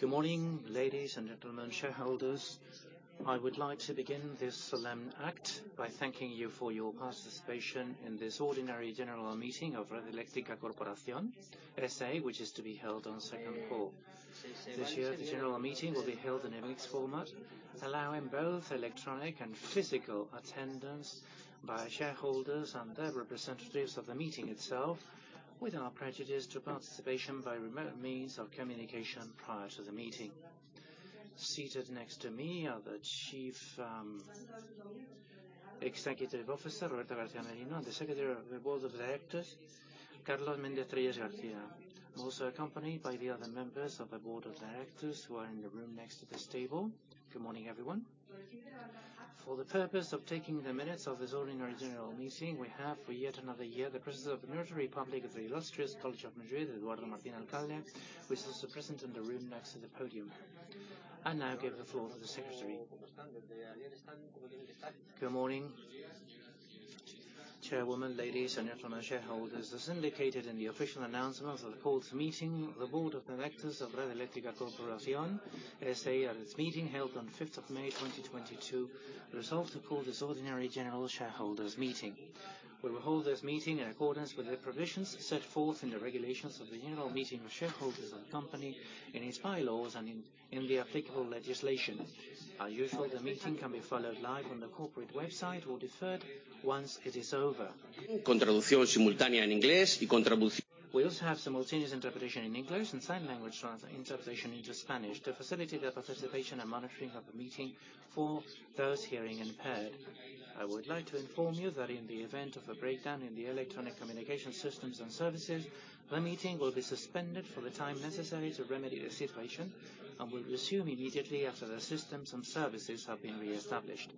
Good morning, ladies and gentlemen, shareholders. I would like to begin this solemn act by thanking you for your participation in this ordinary general meeting of Red Eléctrica Corporación, S.A., which is to be held on second call. This year, the general meeting will be held in a mixed format, allowing both electronic and physical attendance by shareholders and their representatives of the meeting itself, without prejudice to participation by remote means of communication prior to the meeting. Seated next to me are the Chief Executive Officer, Roberto García Merino, and the Secretary of the Board of Directors, Carlos Méndez-Trelles García. I'm also accompanied by the other members of the board of directors who are in the room next to this table. Good morning, everyone. For the purpose of taking the minutes of this ordinary general meeting, we have, for yet another year, the presence of the Notary Public of the Illustrious College of Madrid, Eduardo Martín Alcalde, who is also present in the room next to the podium. I now give the floor to the secretary. Good morning, Chairwoman, ladies and gentlemen, shareholders. As indicated in the official announcement of the called meeting, the Board of Directors of Red Eléctrica Corporación, S.A., at its meeting held on fifth of May 2022, resolved to call this ordinary general shareholders meeting. We will hold this meeting in accordance with the provisions set forth in the regulations of the General Meeting of Shareholders of the company, in its bylaws, and in the applicable legislation. As usual, the meeting can be followed live on the corporate website or deferred once it is over. We also have simultaneous interpretation in English and sign language interpretation into Spanish to facilitate the participation and monitoring of the meeting for those hearing impaired. I would like to inform you that in the event of a breakdown in the electronic communication systems and services, the meeting will be suspended for the time necessary to remedy the situation, and will resume immediately after the systems and services have been reestablished.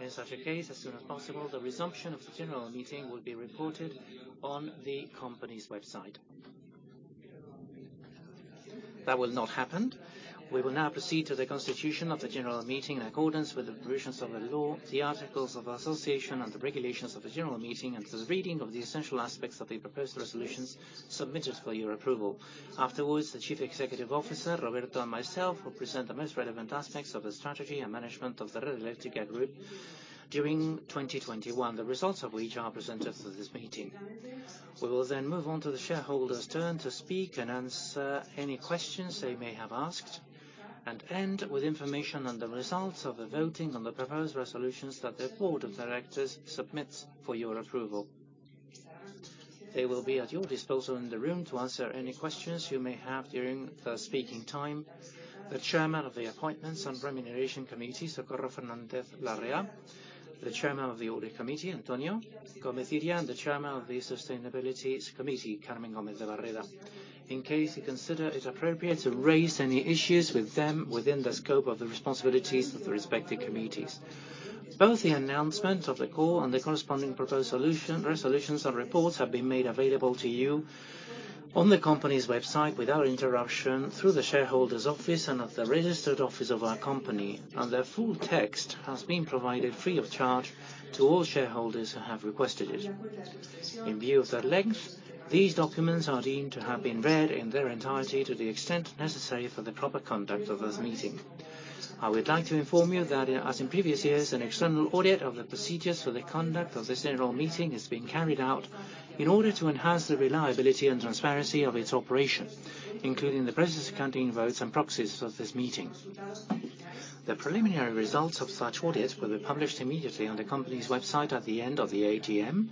In such a case, as soon as possible, the resumption of the general meeting will be reported on the company's website. That will not happen. We will now proceed to the constitution of the general meeting in accordance with the provisions of the law, the articles of association, and the regulations of the general meeting, and to the reading of the essential aspects of the proposed resolutions submitted for your approval. Afterwards, the Chief Executive Officer, Roberto García Merino, and myself will present the most relevant aspects of the strategy and management of Redeia during 2021, the results of which are presented to this meeting. We will then move on to the shareholders' turn to speak and answer any questions they may have asked, and end with information on the results of the voting on the proposed resolutions that the board of directors submits for your approval. They will be at your disposal in the room to answer any questions you may have during the speaking time. The Chairman of the Appointments and Remuneration Committee, Socorro Fernández Larrea, the Chairman of the Audit Committee, Antonio Gómez Ciria, and the Chairman of the Sustainability Committee, Carmen Gómez de Barreda, in case you consider it appropriate to raise any issues with them within the scope of the responsibilities of the respective committees. Both the announcement of the call and the corresponding proposed resolutions and reports have been made available to you on the company's website without interruption through the shareholder's office and at the registered office of our company, and their full text has been provided free of charge to all shareholders who have requested it. In view of their length, these documents are deemed to have been read in their entirety to the extent necessary for the proper conduct of this meeting. I would like to inform you that, as in previous years, an external audit of the procedures for the conduct of this general meeting is being carried out in order to enhance the reliability and transparency of its operation, including the process of counting votes and proxies of this meeting. The preliminary results of such audit will be published immediately on the company's website at the end of the AGM,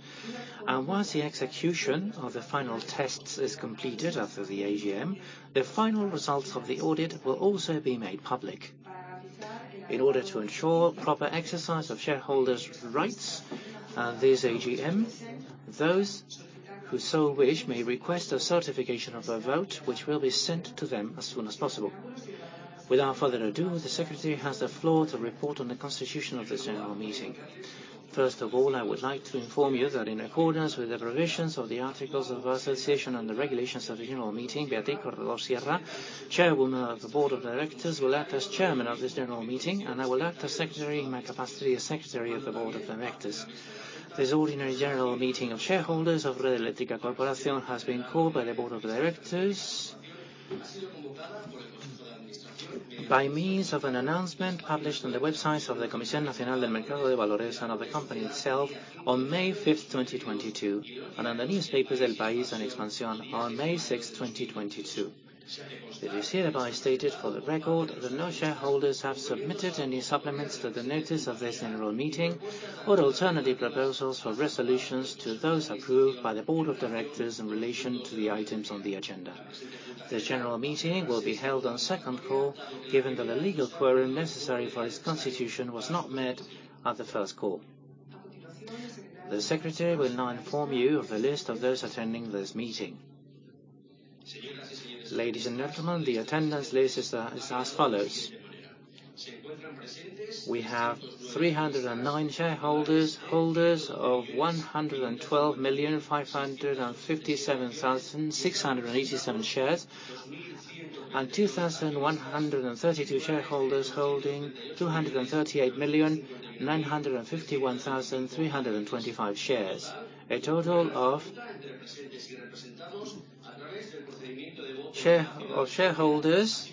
and once the execution of the final tests is completed after the AGM, the final results of the audit will also be made public. In order to ensure proper exercise of shareholders' rights at this AGM, those who so wish may request a certification of their vote, which will be sent to them as soon as possible. Without further ado, the Secretary has the floor to report on the constitution of this general meeting. First of all, I would like to inform you that in accordance with the provisions of the articles of association and the regulations of the general meeting, Beatriz Corredor Sierra, Chairwoman of the Board of Directors, will act as Chairman of this general meeting, and I will act as Secretary in my capacity as Secretary of the Board of Directors. This ordinary general meeting of shareholders of Red Eléctrica Corporación has been called by the Board of Directors by means of an announcement published on the websites of the Comisión Nacional del Mercado de Valores and of the company itself on May fifth, 2022, and in the newspapers El País and Expansión on May sixth, 2022. It is hereby stated for the record that no shareholders have submitted any supplements to the notice of this general meeting or alternative proposals for resolutions to those approved by the Board of Directors in relation to the items on the agenda. This general meeting will be held on second call, given that the legal quorum necessary for its constitution was not met at the first call. The Secretary will now inform you of the list of those attending this meeting. Ladies and gentlemen, the attendance list is as follows. We have 309 shareholders, holders of 112,557,687 shares, and 2,132 shareholders holding 238,951,325 shares. A total of shareholders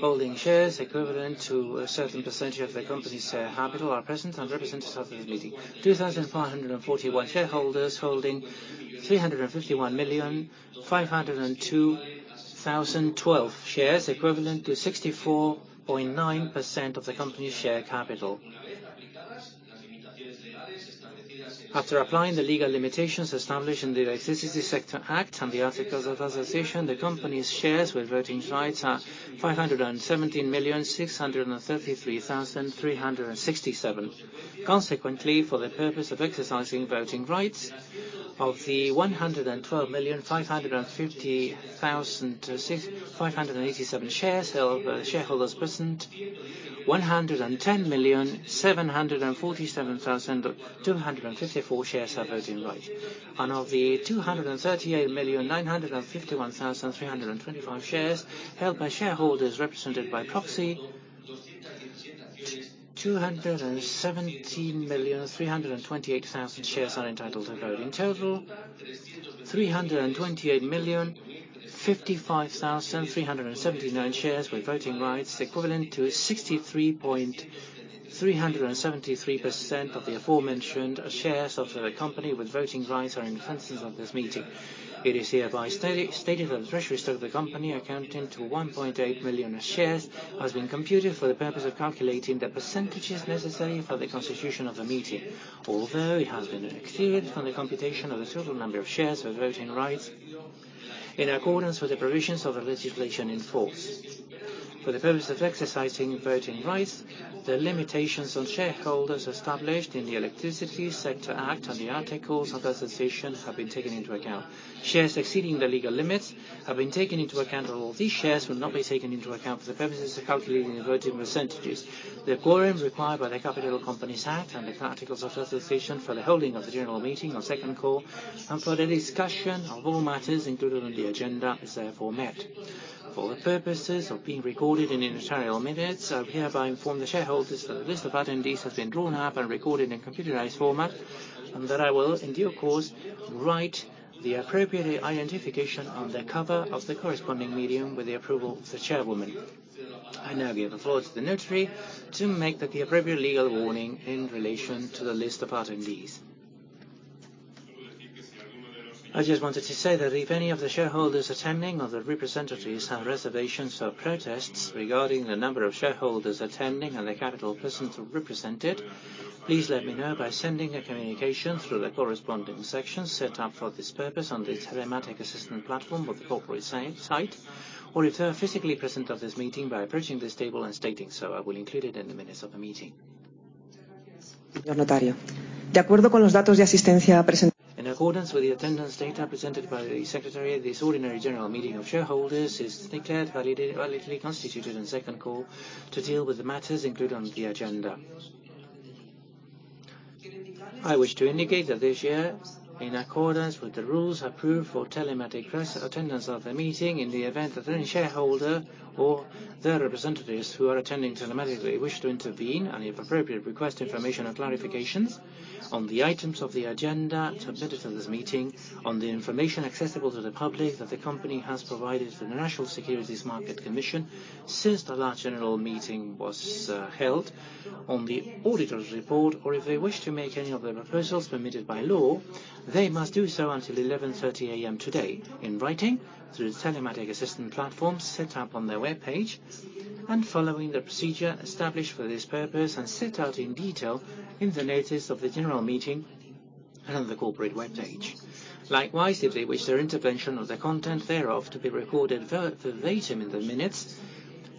holding shares equivalent to a certain percentage of the company's capital are present and represented at this meeting. 2,441 shareholders holding 351,502,012 shares, equivalent to 64.9% of the company's share capital. After applying the legal limitations established in the Electricity Sector Act and the Articles of Association, the company's shares with voting rights are 517,633,367. Consequently, for the purpose of exercising voting rights, of the 112,550,587 shares held by shareholders present, 110,747,254 shares have voting rights. Of the 238,951,325 shares held by shareholders represented by proxy, two hundred and seventeen million three hundred and twenty-eight thousand shares are entitled to vote. In total, 328,055,379 shares with voting rights equivalent to 63.373% of the aforementioned shares of the company with voting rights are in attendance of this meeting. It is hereby stated that the treasury stock of the company amounting to 1.8 million shares has been computed for the purpose of calculating the percentages necessary for the constitution of the meeting. Although it has been excluded from the computation of the total number of shares with voting rights in accordance with the provisions of the legislation in force. For the purpose of exercising voting rights, the limitations on shareholders established in the Electricity Sector Act and the Articles of Association have been taken into account. Shares exceeding the legal limits have been taken into account, although these shares will not be taken into account for the purposes of calculating the voting percentages. The quorums required by the Capital Companies Act and the Articles of Association for the holding of the general meeting on second call and for the discussion of all matters included on the agenda is therefore met. For the purposes of being recorded in the notarial minutes, I hereby inform the shareholders that the list of attendees has been drawn up and recorded in computerized format, and that I will, in due course, write the appropriate identification on the cover of the corresponding medium with the approval of the chairwoman. I now give the floor to the notary to make the appropriate legal warning in relation to the list of attendees. I just wanted to say that if any of the shareholders attending or their representatives have reservations or protests regarding the number of shareholders attending and the capital present represented, please let me know by sending a communication through the corresponding section set up for this purpose on the telematic assistance platform of the corporate site, or if they are physically present at this meeting by approaching this table and stating so. I will include it in the minutes of the meeting. In accordance with the attendance data presented by the secretary, this ordinary general meeting of shareholders is declared validly constituted on second call to deal with the matters included on the agenda. I wish to indicate that this year, in accordance with the rules approved for telematic attendance of the meeting, in the event that any shareholder or their representatives who are attending telematically wish to intervene, and if appropriate, request information and clarifications on the items of the agenda submitted to this meeting, on the information accessible to the public that the company has provided to the National Securities Market Commission since the last general meeting was held, on the auditor's report, or if they wish to make any other proposals permitted by law, they must do so until 11:30 A.M. today in writing through the telematic assistant platform set up on their webpage and following the procedure established for this purpose and set out in detail in the notice of the general meeting and on the corporate webpage. Likewise, if they wish their intervention or the content thereof to be recorded verbatim in the minutes,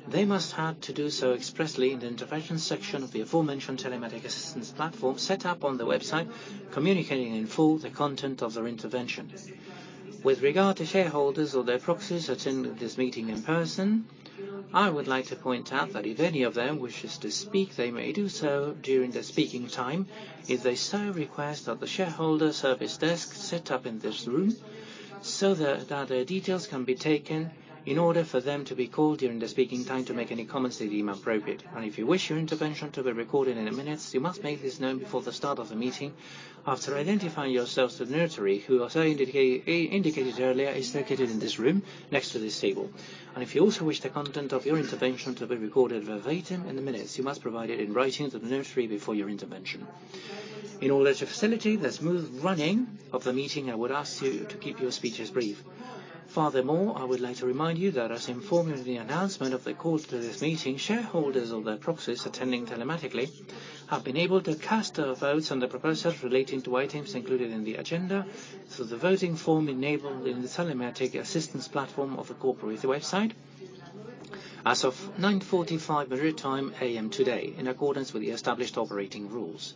they must have to do so expressly in the intervention section of the aforementioned telematic assistance platform set up on the website, communicating in full the content of their intervention. With regard to shareholders or their proxies attending this meeting in person, I would like to point out that if any of them wishes to speak, they may do so during the speaking time if they so request at the shareholder service desk set up in this room so that their details can be taken in order for them to be called during the speaking time to make any comments they deem appropriate. If you wish your intervention to be recorded in the minutes, you must make this known before the start of the meeting after identifying yourselves to the notary, who, as I indicated earlier, is located in this room next to this table. If you also wish the content of your intervention to be recorded verbatim in the minutes, you must provide it in writing to the notary before your intervention. In order to facilitate the smooth running of the meeting, I would ask you to keep your speeches brief. Furthermore, I would like to remind you that, as informed in the announcement of the call to this meeting, shareholders or their proxies attending telematically have been able to cast their votes on the proposals relating to items included in the agenda through the voting form enabled in the telematic assistance platform of the corporate website as of 9:45 A.M. Madrid time today, in accordance with the established operating rules.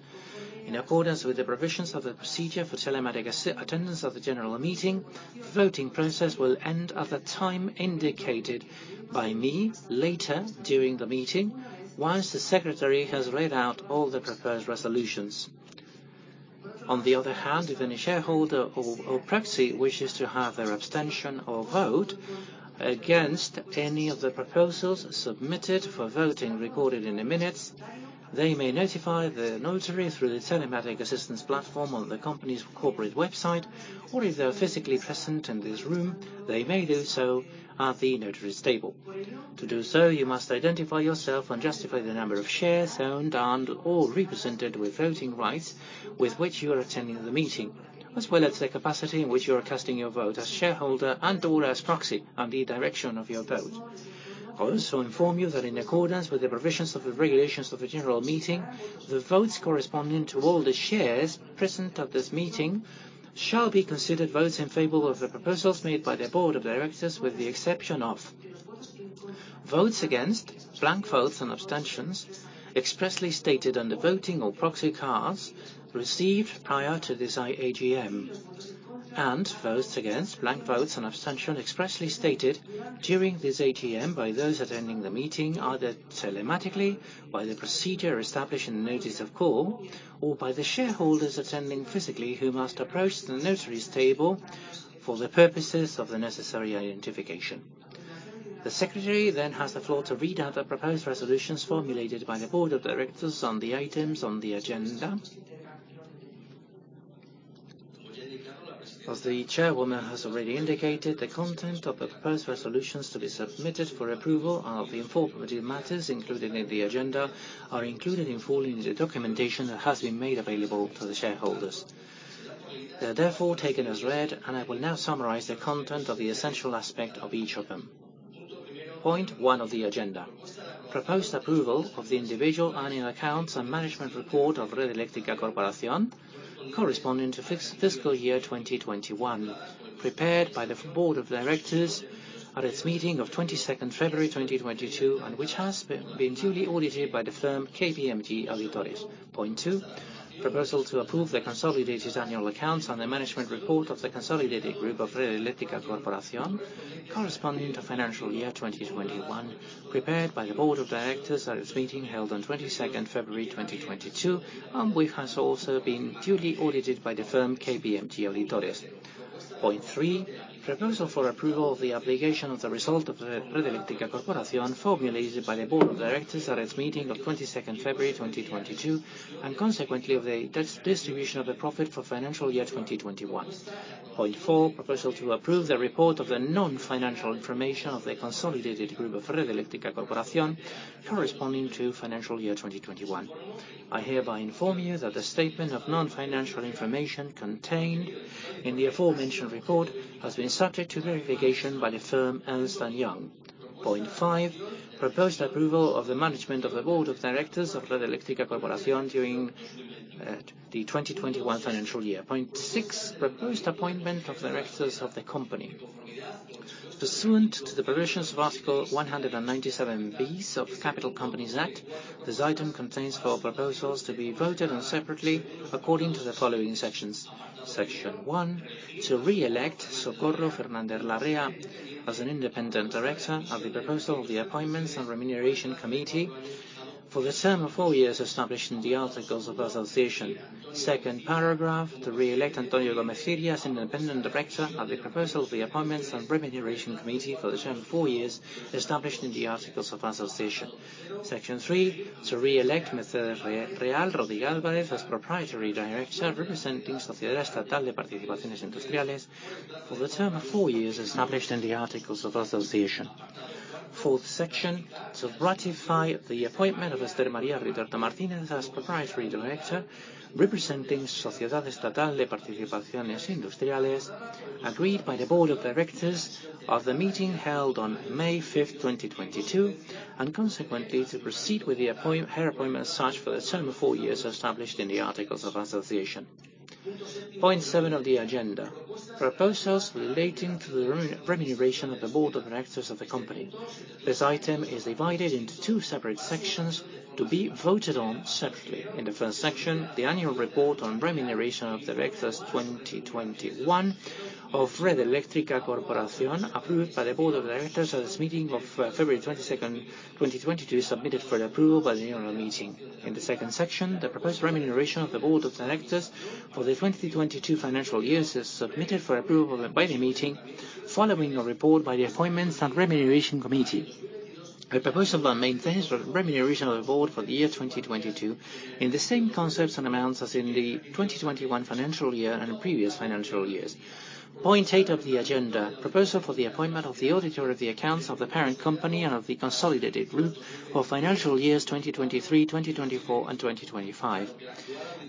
In accordance with the provisions of the procedure for telematic attendance of the general meeting, the voting process will end at the time indicated by me later during the meeting, once the secretary has read out all the proposed resolutions. On the other hand, if any shareholder or proxy wishes to have their abstention or vote against any of the proposals submitted for voting recorded in the minutes. They may notify the notary through the telematic assistance platform on the company's corporate website, or if they're physically present in this room, they may do so at the notary's table. To do so, you must identify yourself and justify the number of shares owned and/or represented with voting rights with which you are attending the meeting, as well as the capacity in which you are casting your vote, as shareholder and/or as proxy, and the direction of your vote. I also inform you that in accordance with the provisions of the regulations of the general meeting, the votes corresponding to all the shares present at this meeting shall be considered votes in favor of the proposals made by the board of directors, with the exception of votes against, blank votes, and abstentions expressly stated on the voting or proxy cards received prior to this AGM, and votes against, blank votes, and abstention expressly stated during this AGM by those attending the meeting, either telematically, by the procedure established in the notice of call, or by the shareholders attending physically, who must approach the notary's table for the purposes of the necessary identification. The secretary has the floor to read out the proposed resolutions formulated by the board of directors on the items on the agenda. As the chairwoman has already indicated, the content of the proposed resolutions to be submitted for approval of the informative matters included in the agenda are included in full in the documentation that has been made available to the shareholders. They are therefore taken as read, and I will now summarize the content of the essential aspect of each of them. Point one of the agenda: proposed approval of the individual annual accounts and management report of Red Eléctrica Corporación corresponding to fiscal year 2021, prepared by the board of directors at its meeting of February 22nd, 2022, and which has been duly audited by the firm KPMG Auditores. Point two, proposal to approve the consolidated annual accounts and the management report of the consolidated group of Red Eléctrica Corporación corresponding to financial year 2021, prepared by the board of directors at its meeting held on February 22nd, 2022, and which has also been duly audited by the firm KPMG Auditores. Point three, proposal for approval of the application of the result of the Red Eléctrica Corporación formulated by the board of directors at its meeting of February 22nd, 2022, and consequently, of the distribution of the profit for financial year 2021. Point four, proposal to approve the report of the non-financial information of the consolidated group of Red Eléctrica Corporación corresponding to financial year 2021. I hereby inform you that the statement of non-financial information contained in the aforementioned report has been subject to verification by the firm Ernst & Young. Point 5, proposed approval of the management of the board of directors of Red Eléctrica Corporación during the 2021 financial year. Point six, proposed appointment of directors of the company. Pursuant to the provisions of Article 197 B of the Capital Companies Act, this item contains four proposals to be voted on separately according to the following sections. Section one, to re-elect Socorro Fernández Larrea as an independent director at the proposal of the Appointments and Remuneration Committee for the term of four years established in the articles of association. Second paragraph, to re-elect Antonio Gómez Ciria as independent director at the proposal of the Appointments and Remuneration Committee for the term of four years established in the articles of association. Section three, to re-elect Mercedes Real Rodríguez Álvarez as proprietary director representing Sociedad Estatal de Participaciones Industriales for the term of four years established in the articles of association. Fourth section, to ratify the appointment of Esther María Rituerto Martínez as proprietary director representing Sociedad Estatal de Participaciones Industriales, agreed by the board of directors of the meeting held on May 5th, 2022, and consequently, to proceed with her appointment as such for the term of four years established in the articles of association. Point seven of the agenda, proposals relating to the remuneration of the board of directors of the company. This item is divided into two separate sections to be voted on separately. In the first section, the annual report on remuneration of directors 2021 of Red Eléctrica Corporación, approved by the board of directors at its meeting of February 22nd, 2022, is submitted for approval by the annual meeting. In the second section, the proposed remuneration of the board of directors for the 2022 financial years is submitted for approval by the meeting following a report by the Appointments and Remuneration Committee. The proposal then maintains remuneration of the board for the year 2022 in the same concepts and amounts as in the 2021 financial year and previous financial years. Point eight of the agenda, proposal for the appointment of the auditor of the accounts of the parent company and of the consolidated group for financial years 2023, 2024, and 2025.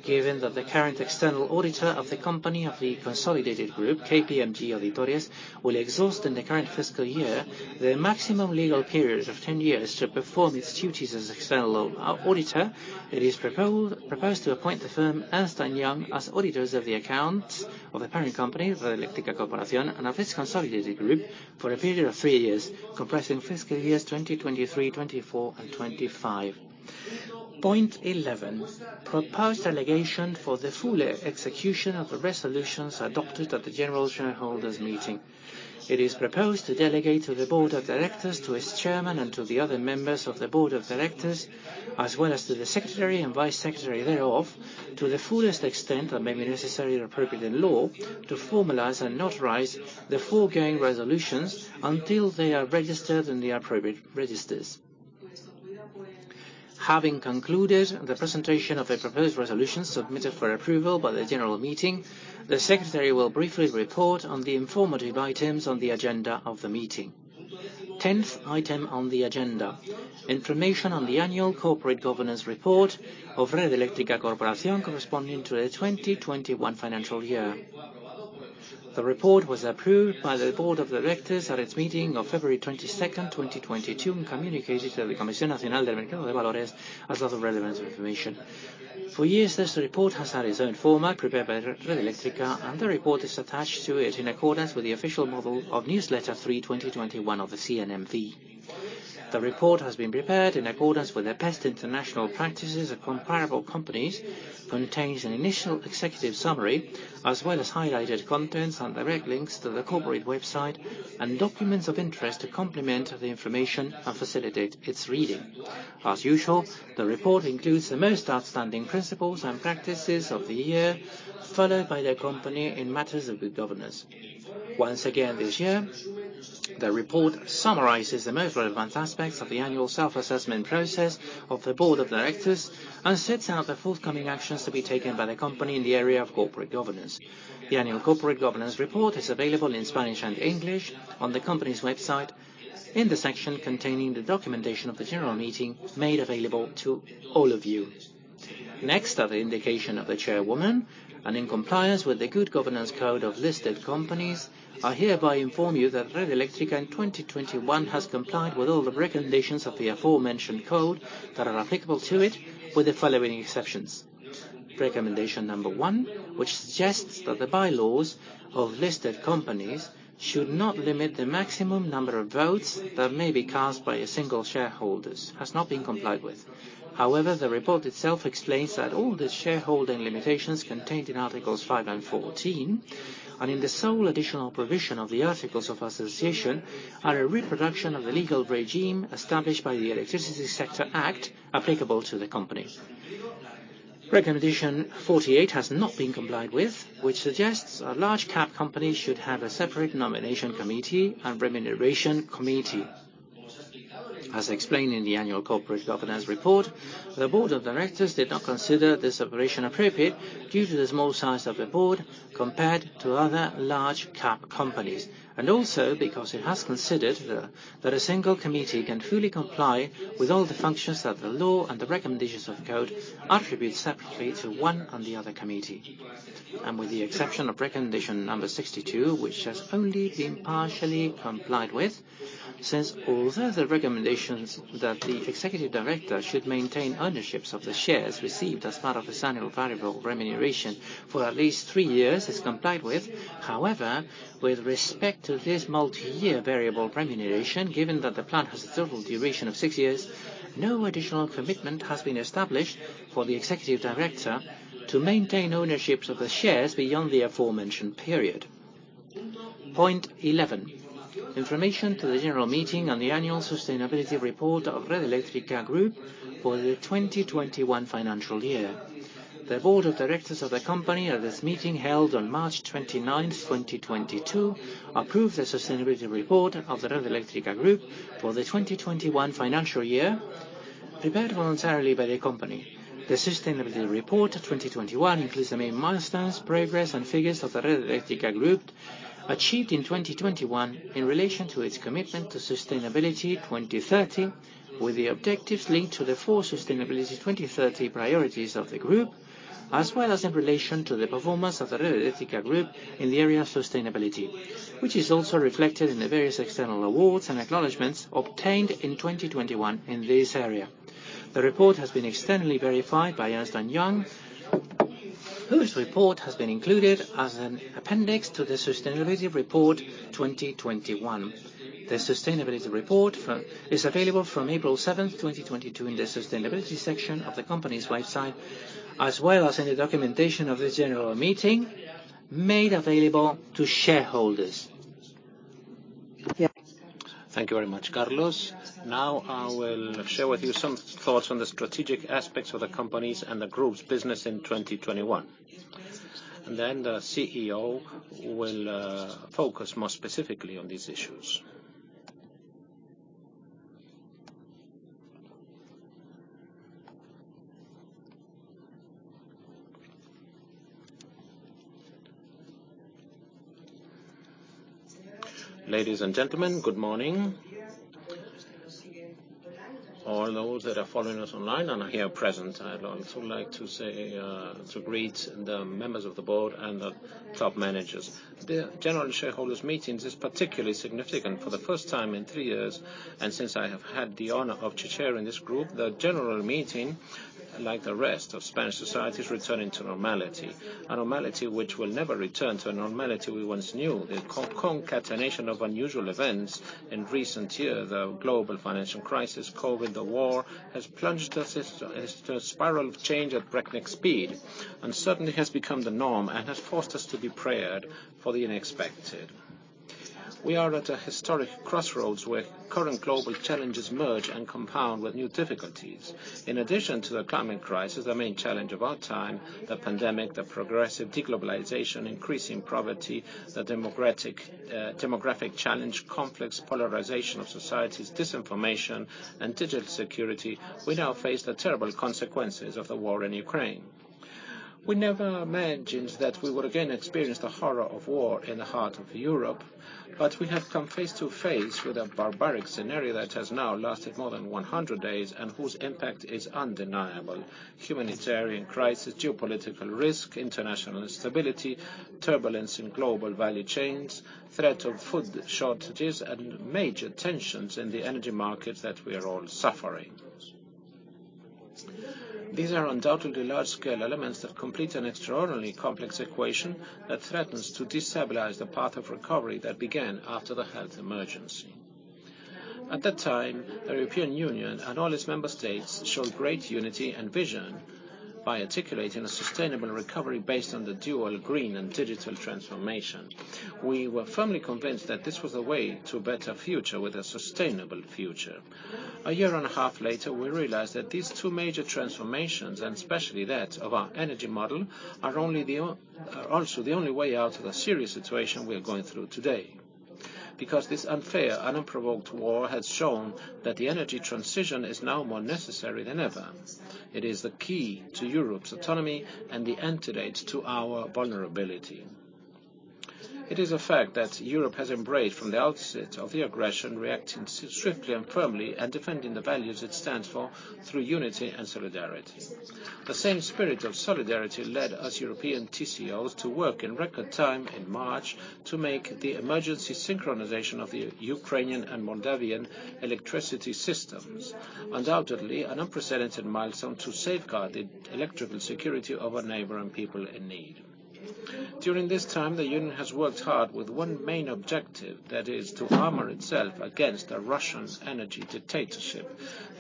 Given that the current external auditor of the company of the consolidated group, KPMG Auditores, will exhaust in the current fiscal year the maximum legal period of 10 years to perform its duties as external auditor, it is proposed to appoint the firm Ernst & Young as auditors of the accounts of the parent company, Red Eléctrica Corporación, and of its consolidated group for a period of three years, comprising fiscal years 2023, 2024, and 2025. Point eleven, proposed delegation for the full execution of the resolutions adopted at the general shareholders' meeting. It is proposed to delegate to the board of directors, to its chairman, and to the other members of the board of directors, as well as to the secretary and vice secretary thereof, to the fullest extent that may be necessary or appropriate in law, to formalize and notarize the foregoing resolutions until they are registered in the appropriate registers. Having concluded the presentation of the proposed resolution submitted for approval by the general meeting, the secretary will briefly report on the informative items on the agenda of the meeting. Tenth item on the agenda, information on the annual corporate governance report of Red Eléctrica Corporación corresponding to the 2021 financial year. The report was approved by the board of directors at its meeting of February 22nd, 2022, and communicated to the Comisión Nacional del Mercado de Valores, as other relevant information. For years, this report has had its own format prepared by Red Eléctrica, and the report is attached to it in accordance with the official model of newsletter March 2021 of the CNMV. The report has been prepared in accordance with the best international practices of comparable companies, contains an initial executive summary, as well as highlighted contents and direct links to the corporate website and documents of interest to complement the information and facilitate its reading. As usual, the report includes the most outstanding principles and practices of the year, followed by the company in matters of good governance. Once again, this year the report summarizes the most relevant aspects of the annual self-assessment process of the board of directors and sets out the forthcoming actions to be taken by the company in the area of corporate governance. The annual corporate governance report is available in Spanish and English on the company's website in the section containing the documentation of the general meeting made available to all of you. Next, at the indication of the chairwoman, and in compliance with the good governance code of listed companies, I hereby inform you that Red Eléctrica in 2021 has complied with all the recommendations of the aforementioned code that are applicable to it, with the following exceptions. Recommendation number one, which suggests that the bylaws of listed companies should not limit the maximum number of votes that may be cast by a single shareholders, has not been complied with. However, the report itself explains that all the shareholding limitations contained in articles 5 and 14, and in the sole additional provision of the articles of association, are a reproduction of the legal regime established by the Electricity Sector Act applicable to the company. Recommendation 48 has not been complied with, which suggests a large cap company should have a separate nomination committee and remuneration committee. As explained in the annual corporate governance report, the board of directors did not consider this operation appropriate due to the small size of the board compared to other large cap companies, and also because it has considered that a single committee can fully comply with all the functions that the law and the recommendations of code attribute separately to one or the other committee. With the exception of recommendation number 62, which has only been partially complied with, since although the recommendations that the executive director should maintain ownerships of the shares received as part of his annual variable remuneration for at least three years is complied with. However, with respect to this multi-year variable remuneration, given that the plan has a total duration of six years, no additional commitment has been established for the executive director to maintain ownerships of the shares beyond the aforementioned period. Point 11, information to the general meeting on the annual sustainability report of Red Eléctrica Group for the 2021 financial year. The board of directors of the company, at its meeting held on March 29th, 2022, approved the sustainability report of the Red Eléctrica Group for the 2021 financial year, prepared voluntarily by the company. The Sustainability Report of 2021 includes the main milestones, progress, and figures of the Red Eléctrica Group achieved in 2021 in relation to its commitment to Sustainability 2030, with the objectives linked to the four Sustainability 2030 priorities of the group, as well as in relation to the performance of the Red Eléctrica Group in the area of sustainability, which is also reflected in the various external awards and acknowledgments obtained in 2021 in this area. The report has been externally verified by Ernst & Young, whose report has been included as an appendix to the Sustainability Report 2021. The sustainability report is available from April 7, 2022, in the sustainability section of the company's website, as well as in the documentation of the general meeting made available to shareholders. Thank you very much, Carlos. Now I will share with you some thoughts on the strategic aspects of the companies and the group's business in 2021. The CEO will focus more specifically on these issues. Ladies and gentlemen, good morning. All those that are following us online and are here present, I'd also like to say to greet the members of the board and the top managers. The general shareholders meetings is particularly significant for the first time in three years, and since I have had the honor of chairing this group, the general meeting, like the rest of Spanish society, is returning to normality. A normality which will never return to a normality we once knew. Concatenation of unusual events in recent years, the global financial crisis, COVID, the war, has plunged us into a spiral of change at breakneck speed, and certainly has become the norm and has forced us to be prepared for the unexpected. We are at a historic crossroads where current global challenges merge and compound with new difficulties. In addition to the climate crisis, the main challenge of our time, the pandemic, the progressive de-globalization, increasing poverty, the democratic, demographic challenge, conflicts, polarization of societies, disinformation, and digital security, we now face the terrible consequences of the war in Ukraine. We never imagined that we would again experience the horror of war in the heart of Europe, but we have come face to face with a barbaric scenario that has now lasted more than 100 days, and whose impact is undeniable. Humanitarian crisis, geopolitical risk, international instability, turbulence in global value chains, threat of food shortages, and major tensions in the energy market that we are all suffering. These are undoubtedly large-scale elements that complete an extraordinarily complex equation that threatens to destabilize the path of recovery that began after the health emergency. At that time, the European Union and all its member states showed great unity and vision by articulating a sustainable recovery based on the dual green and digital transformation. We were firmly convinced that this was a way to a better future with a sustainable future. A year and a half later, we realized that these two major transformations, and especially that of our energy model, are also the only way out of the serious situation we are going through today. Because this unfair and unprovoked war has shown that the energy transition is now more necessary than ever. It is the key to Europe's autonomy and the antidote to our vulnerability. It is a fact that Europe has embraced from the outset of the aggression, reacting swiftly and firmly, and defending the values it stands for through unity and solidarity. The same spirit of solidarity led us European TSOs to work in record time in March to make the emergency synchronization of the Ukrainian and Moldovan electricity systems. Undoubtedly, an unprecedented milestone to safeguard the electrical security of our neighbor and people in need. During this time, the Union has worked hard with one main objective, that is to armor itself against the Russians' energy dictatorship.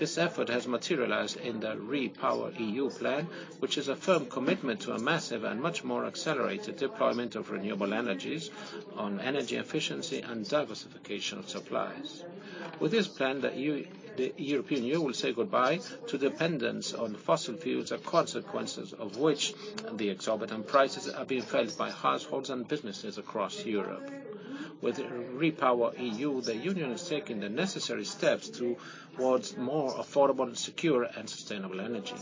This effort has materialized in the REPowerEU plan, which is a firm commitment to a massive and much more accelerated deployment of renewable energies on energy efficiency and diversification of supplies. With this plan, the European Union will say goodbye to dependence on fossil fuels, the consequences of which, the exorbitant prices, are being felt by households and businesses across Europe. With REPowerEU, the Union is taking the necessary steps towards more affordable, and secure, and sustainable energy.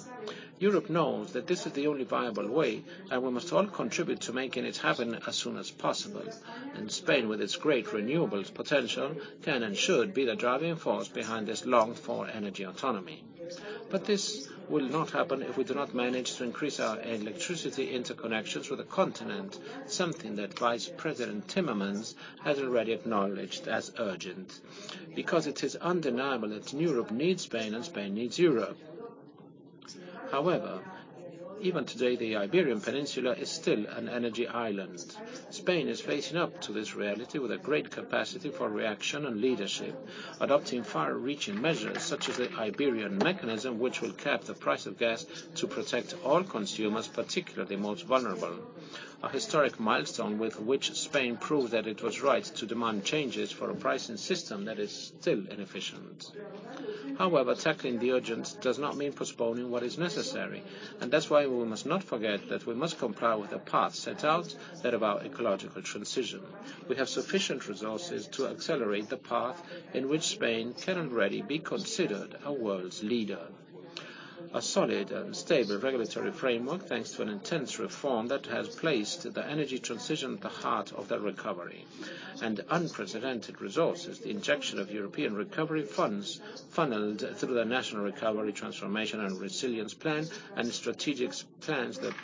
Europe knows that this is the only viable way, and we must all contribute to making it happen as soon as possible. Spain, with its great renewables potential, can and should be the driving force behind this longed-for energy autonomy. This will not happen if we do not manage to increase our electricity interconnections with the continent, something that Vice President Timmermans has already acknowledged as urgent. Because it is undeniable that Europe needs Spain and Spain needs Europe. However, even today, the Iberian Peninsula is still an energy island. Spain is facing up to this reality with a great capacity for reaction and leadership, adopting far-reaching measures such as the Iberian mechanism, which will cap the price of gas to protect all consumers, particularly the most vulnerable. A historic milestone with which Spain proved that it was right to demand changes for a pricing system that is still inefficient. However, tackling the urgent does not mean postponing what is necessary, and that's why we must not forget that we must comply with the path set out that of our ecological transition. We have sufficient resources to accelerate the path in which Spain can already be considered a world leader. A solid and stable regulatory framework, thanks to an intense reform that has placed the energy transition at the heart of the recovery, and unprecedented resources, the injection of European recovery funds funneled through the National Recovery Transformation and Resilience Plan, and the strategic plans that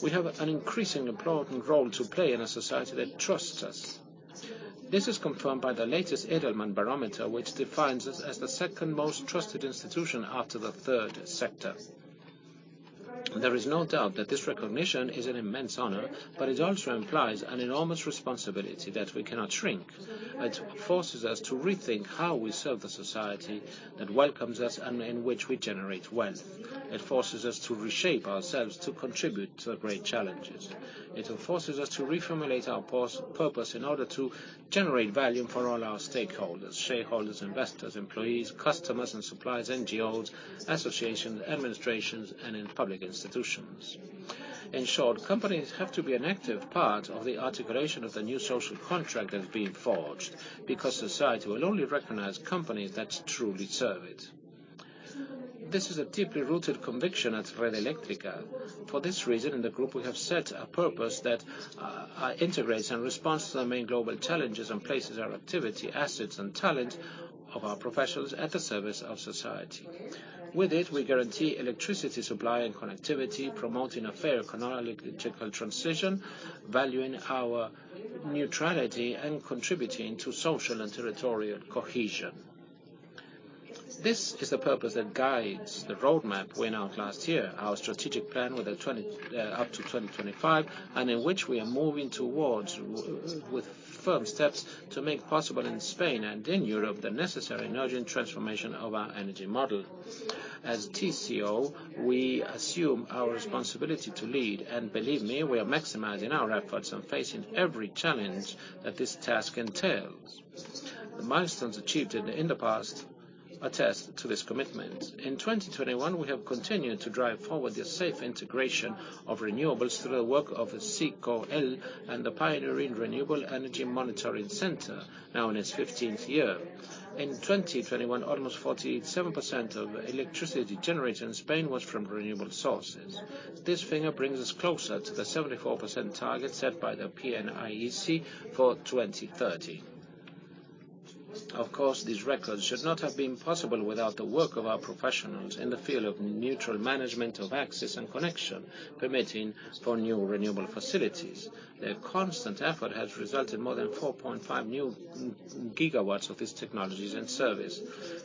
the milestones achieved in the past attest to this commitment. In 2021, we have continued to drive forward the safe integration of renewables through the work of the CECOEL and the pioneering Renewable Energy Control Centre, now in its 15th year. In 2021, almost 47% of electricity generated in Spain was from renewable sources. This figure brings us closer to the 74% target set by the PNIEC for 2030. Of course, these records should not have been possible without the work of our professionals in the field of neutral management of access and connection, permitting for new renewable facilities. Their constant effort has resulted more than 4.5 new GW of these technologies and service.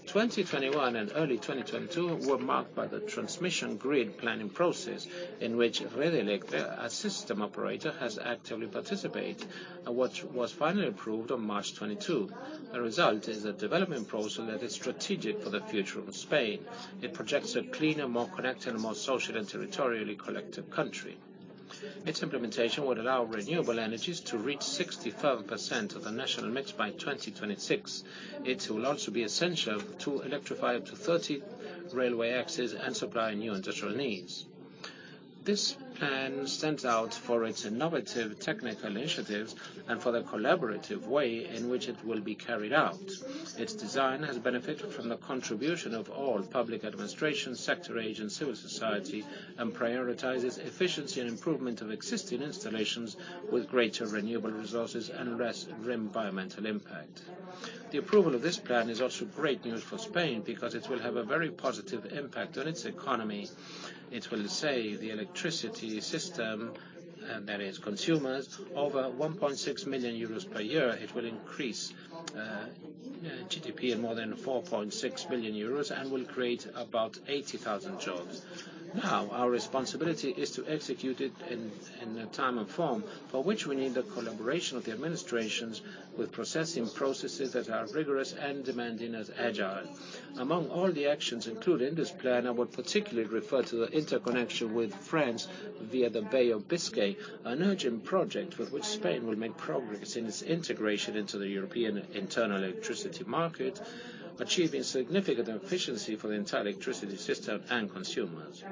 2021 and early 2022 were marked by the transmission grid planning process, in which Red Eléctrica as system operator has actively participate, and which was finally approved on March 22. The result is a development process that is strategic for the future of Spain. It projects a cleaner, more connected, and more social and territorially collective country. Its implementation would allow renewable energies to reach 65% of the national mix by 2026. It will also be essential to electrify up to 30 railway axes and supply new industrial needs. This plan stands out for its innovative technical initiatives and for the collaborative way in which it will be carried out. Its design has benefited from the contribution of all public administration, sector agents, civil society, and prioritizes efficiency and improvement of existing installations with greater renewable resources and less environmental impact. The approval of this plan is also great news for Spain because it will have a very positive impact on its economy. It will save the electricity system, and that is consumers, over 1.6 million euros per year. It will increase GDP in more than 4.6 billion euros and will create about 80,000 jobs. Now, our responsibility is to execute it in the time and form, for which we need the collaboration of the administrations with processing processes that are rigorous and demanding as agile. Among all the actions included in this plan, I would particularly refer to the interconnection with France via the Bay of Biscay, an urgent project with which Spain will make progress in its integration into the European internal electricity market, achieving significant efficiency for the entire electricity system and consumers.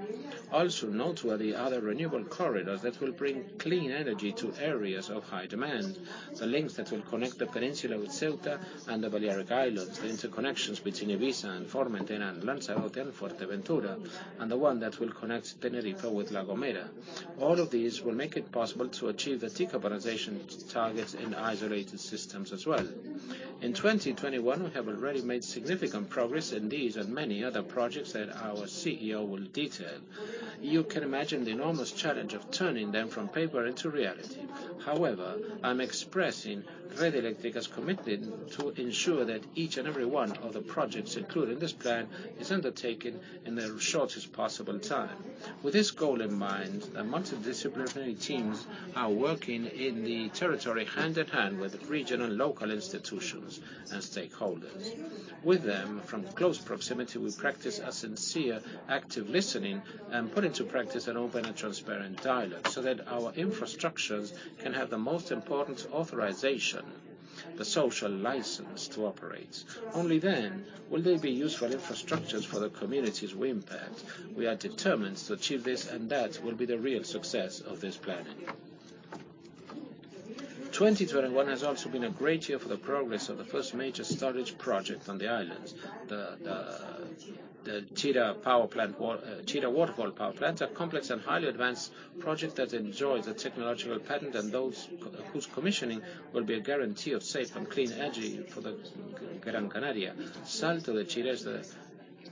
Also noteworthy are the renewable corridors that will bring clean energy to areas of high demand, the links that will connect the peninsula with Ceuta and the Balearic Islands, the interconnections between Ibiza and Formentera, and Lanzarote and Fuerteventura, and the one that will connect Tenerife with La Gomera. All of these will make it possible to achieve the decarbonization targets in isolated systems as well. In 2021, we have already made significant progress in these and many other projects that our CEO will detail. You can imagine the enormous challenge of turning them from paper into reality. However, I'm expressing Red Eléctrica's commitment to ensure that each and every one of the projects included in this plan is undertaken in the shortest possible time. With this goal in mind, multidisciplinary teams are working in the territory hand-in-hand with regional and local institutions and stakeholders. With them, from close proximity, we practice a sincere active listening and put into practice an open and transparent dialogue, so that our infrastructures can have the most important authorization, the social license to operate. Only then will they be useful infrastructures for the communities we impact. We are determined to achieve this, and that will be the real success of this planning. 2021 has also been a great year for the progress of the first major storage project on the islands. Chira Waterfall power plant, a complex and highly advanced project that enjoys a technological patent and whose commissioning will be a guarantee of safe and clean energy for the Gran Canaria. Salto de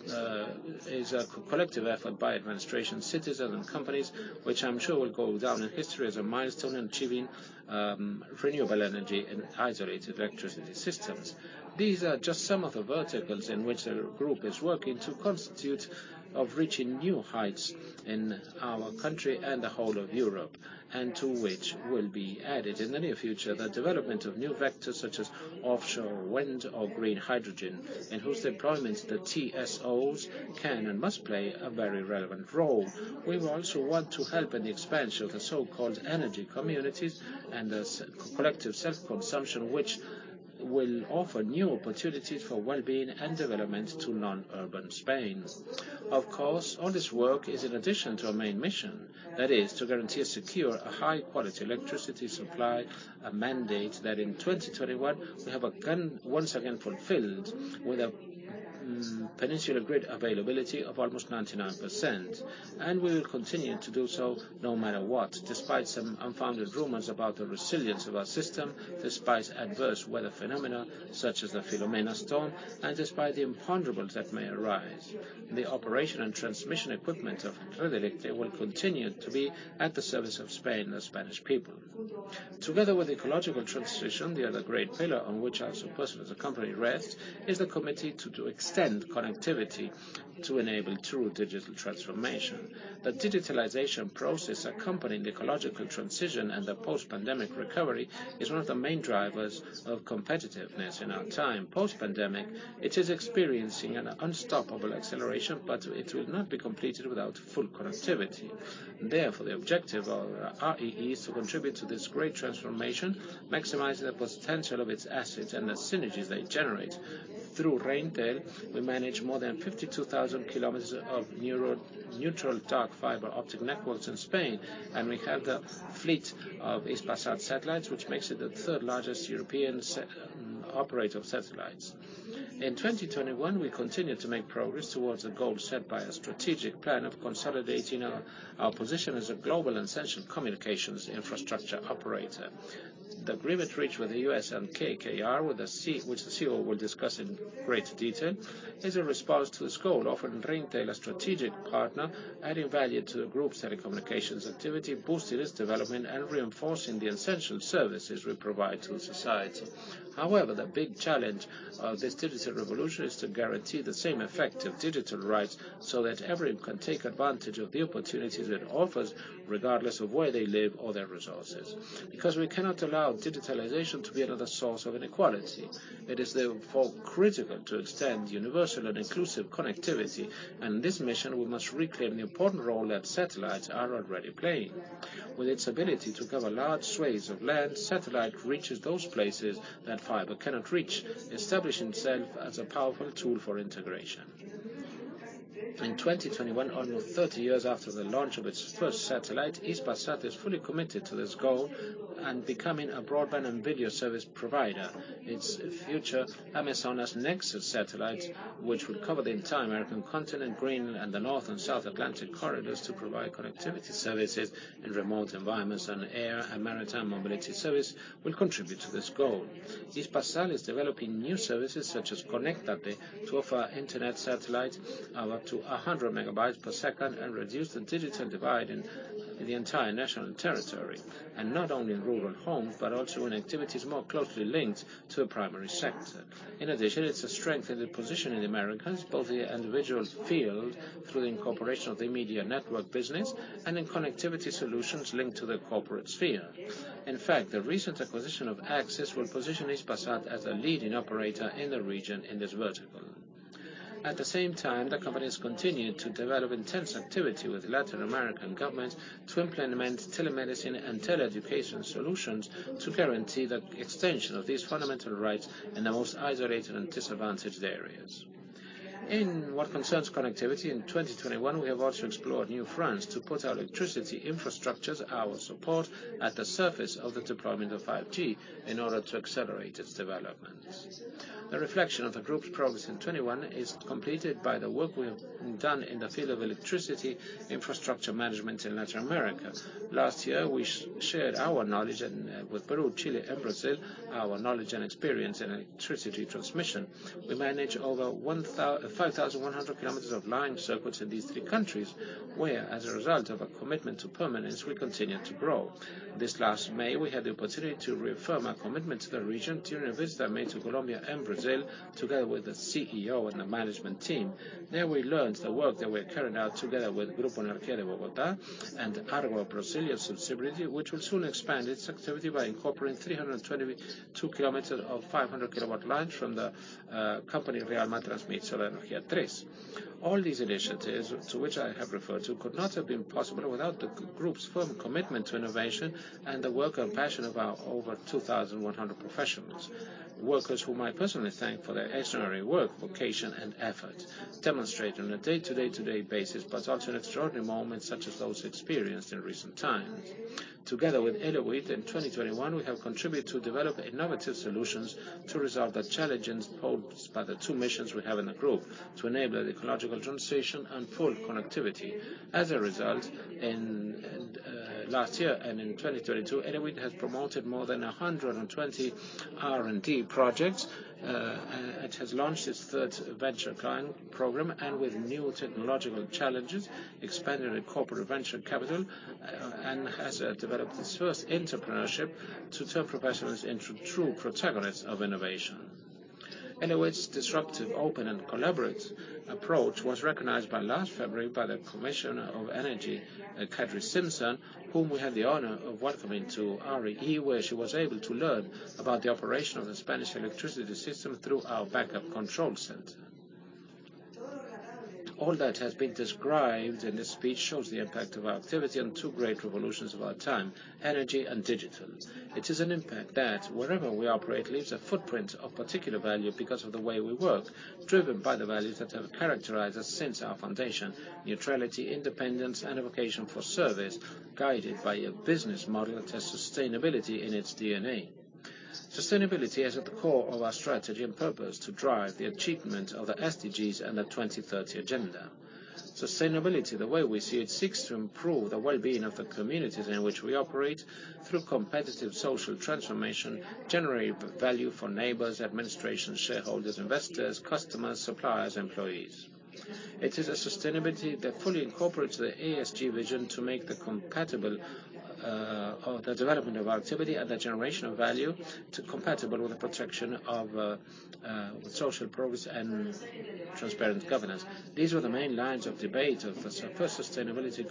Chira is a collective effort by administration, citizens, and companies, which I'm sure will go down in history as a milestone in achieving renewable energy in isolated electricity systems. These are just some of the verticals in which the group is working to contribute to reaching new heights in our country and the whole of Europe, and to which will be added in the near future the development of new vectors such as offshore wind or green hydrogen, in whose deployments the TSOs can and must play a very relevant role. We also want to help in the expansion of the so-called energy communities and the collective self-consumption, which will offer new opportunities for well-being and development to non-urban Spain. Of course, all this work is in addition to our main mission, that is, to guarantee a secure, high-quality electricity supply, a mandate that in 2021, we have again, once again fulfilled with peninsular grid availability of almost 99%. We will continue to do so no matter what, despite some unfounded rumors about the resilience of our system, despite adverse weather phenomena such as the Storm Filomena, and despite the imponderables that may arise. The operation and transmission equipment of Red Eléctrica will continue to be at the service of Spain and Spanish people. Together with ecological transition, the other great pillar on which our success as a company rests is the commitment to extend connectivity to enable true digital transformation. The digitalization process accompanying the ecological transition and the post-pandemic recovery is one of the main drivers of competitiveness in our time. Post-pandemic, it is experiencing an unstoppable acceleration, but it will not be completed without full connectivity. Therefore, the objective of our Redeia is to contribute to this great transformation, maximizing the potential of its assets and the synergies they generate. Through Reintel, we manage more than 52,000 km of neutral dark fiber optic networks in Spain, and we have the fleet of Hispasat satellites, which makes it the third largest European satellite operator of satellites. In 2021, we continued to make progress towards a goal set by a strategic plan of consolidating our position as a global essential communications infrastructure operator. The agreement reached with the U.S. and KKR, which the CEO will discuss in greater detail, is a response to this goal, offering Reintel a strategic partner, adding value to the group's telecommunications activity, boosting its development, and reinforcing the essential services we provide to society. However, the big challenge of this digital revolution is to guarantee the same effective digital rights so that everyone can take advantage of the opportunities it offers, regardless of where they live or their resources. Because we cannot allow digitalization to be another source of inequality. It is therefore critical to extend universal and inclusive connectivity, and in this mission, we must reclaim the important role that satellites are already playing. With its ability to cover large swathes of land, satellite reaches those places that fiber cannot reach, establishing itself as a powerful tool for integration. In 2021, almost 30 years after the launch of its first satellite, Hispasat is fully committed to this goal and becoming a broadband and video service provider. Its future Amazonas Nexus satellite, which will cover the entire American continent, Greenland, and the North and South Atlantic corridors to provide connectivity services in remote environments and air and maritime mobility service, will contribute to this goal. Hispasat is developing new services, such as Conéctate, to offer satellite internet of up to 100 Mbps and reduce the digital divide in the entire national territory, and not only in rural homes, but also in activities more closely linked to the primary sector. In addition, it's a strength in the position in the Americas, both the audiovisual field through the incorporation of the media network business and in connectivity solutions linked to the corporate sphere. In fact, the recent acquisition of AXESS will position Hispasat as a leading operator in the region in this vertical. At the same time, the company has continued to develop intense activity with Latin American governments to implement telemedicine and tele-education solutions to guarantee the extension of these fundamental rights in the most isolated and disadvantaged areas. In what concerns connectivity, in 2021, we have also explored new fronts to put our electricity infrastructures, our support, at the service of the deployment of 5G in order to accelerate its development. The reflection of the group's progress in 2021 is completed by the work we have done in the field of electricity infrastructure management in Latin America. Last year, we shared our knowledge with Peru, Chile, and Brazil, our knowledge and experience in electricity transmission. We manage over 5,100 km of line circuits in these three countries, where, as a result of a commitment to permanence, we continue to grow. This last May, we had the opportunity to reaffirm our commitment to the region during a visit I made to Colombia and Brazil, together with the CEO and the management team. There we learned the work that we're carrying out together with Grupo Energía Bogotá and Argo subsidiary, which will soon expand its activity by incorporating 322 km of 500 kV lines from the company Rialma Transmissora de Energia III S.A. All these initiatives to which I have referred to could not have been possible without the group's firm commitment to innovation and the work and passion of our over 2,100 professionals. Workers who I personally thank for their extraordinary work, vocation, and effort, demonstrating on a day-to-day basis, but also in extraordinary moments such as those experienced in recent times. Together with Elewit, in 2021, we have contributed to develop innovative solutions to resolve the challenges posed by the two missions we have in the group, to enable ecological transition and full connectivity. As a result, last year and in 2022, Elewit has promoted more than 120 R&D projects. It has launched its third venture client program and with new technological challenges, expanded the corporate venture capital, and has developed its first entrepreneurship to turn professionals into true protagonists of innovation. Elewit's disruptive, open, and collaborative approach was recognized last February by the Commissioner for Energy, Kadri Simson, whom we had the honor of welcoming to REE, where she was able to learn about the operation of the Spanish electricity system through our backup control center. All that has been described in this speech shows the impact of our activity on two great revolutions of our time, energy and digital. It is an impact that wherever we operate, leaves a footprint of particular value because of the way we work, driven by the values that have characterized us since our foundation: neutrality, independence, and a vocation for service, guided by a business model that has sustainability in its DNA. Sustainability is at the core of our strategy and purpose to drive the achievement of the SDGs and the 2030 agenda. Sustainability, the way we see it, seeks to improve the well-being of the communities in which we operate through competitive social transformation, generating value for neighbors, administrations, shareholders, investors, customers, suppliers, employees. It is a sustainability that fully incorporates the ESG vision to make the development of our activity and the generation of value compatible with the protection of social progress and transparent governance. These were the main lines of debate of the first sustainability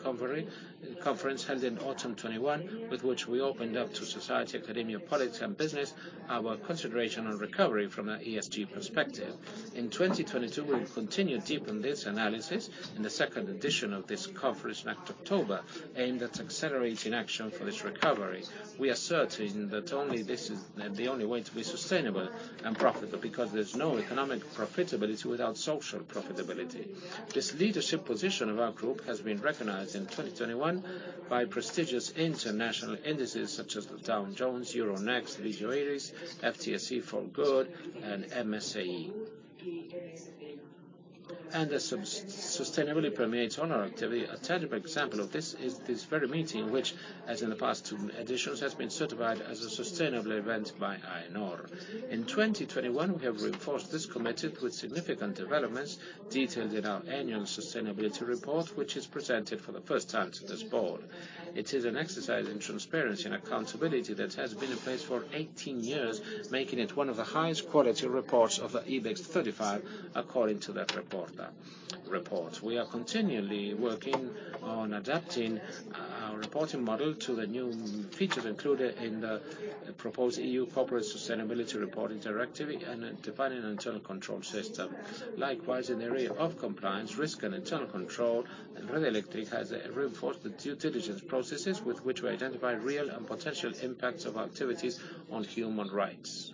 conference held in autumn 2021, with which we opened up to society, academia, politics, and business, our consideration on recovery from an ESG perspective. In 2022, we will continue to deepen this analysis in the second edition of this conference next October, aimed at accelerating action for this recovery. We are certain that only this is the only way to be sustainable and profitable, because there's no economic profitability without social profitability. This leadership position of our group has been recognized in 2021 by prestigious international indices such as the Dow Jones, Euronext, FTSE4Good, and MSCI. That sustainably permeates all our activity. A tangible example of this is this very meeting, which, as in the past two editions, has been certified as a sustainable event by AENOR. In 2021, we have reinforced this commitment with significant developments detailed in our annual sustainability report, which is presented for the first time to this board. It is an exercise in transparency and accountability that has been in place for 18 years, making it one of the highest quality reports of the IBEX 35, according to that report. We are continually working on adapting our reporting model to the new features included in the proposed EU Corporate Sustainability Reporting Directive and defining an internal control system. Likewise, in the area of compliance, risk, and internal control, Endesa Electric has reinforced the due diligence processes with which we identify real and potential impacts of our activities on human rights.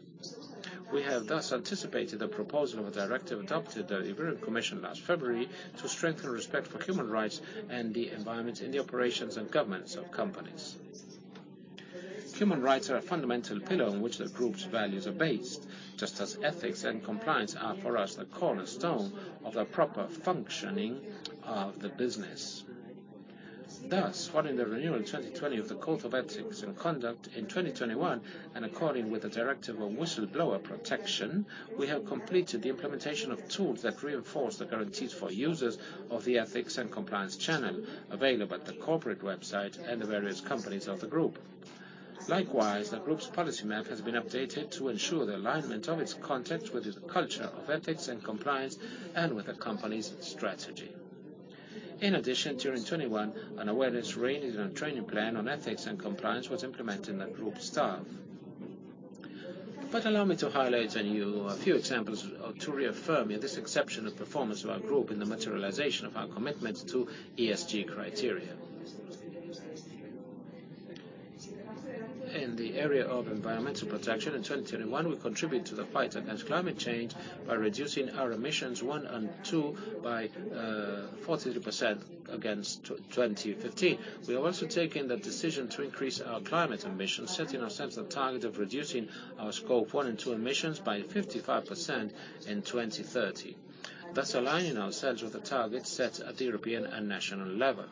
We have thus anticipated the proposal of a directive adopted at the European Commission last February to strengthen respect for human rights and the environment in the operations and governments of companies. Human rights are a fundamental pillar on which the group's values are based, just as ethics and compliance are for us, the cornerstone of the proper functioning of the business. Following the renewal in 2020 of the Code of Ethics and Conduct, in 2021, and according with the Whistleblower Protection Directive, we have completed the implementation of tools that reinforce the guarantees for users of the ethics and compliance channel available at the corporate website and the various companies of the group. Likewise, the group's policy map has been updated to ensure the alignment of its content with its culture of ethics and compliance and with the company's strategy. In addition, during 2021, an awareness raised and a training plan on ethics and compliance was implemented in the group staff. Allow me to highlight a few examples to reaffirm this exceptional performance of our group in the materialization of our commitment to ESG criteria. In the area of environmental protection, in 2021, we contribute to the fight against climate change by reducing our Scope 1 and 2 emissions by 42% against 2015. We have also taken the decision to increase our climate ambition, setting ourselves a target of reducing our scope 1 and 2 emissions by 55% in 2030, thus aligning ourselves with the targets set at the European and national level.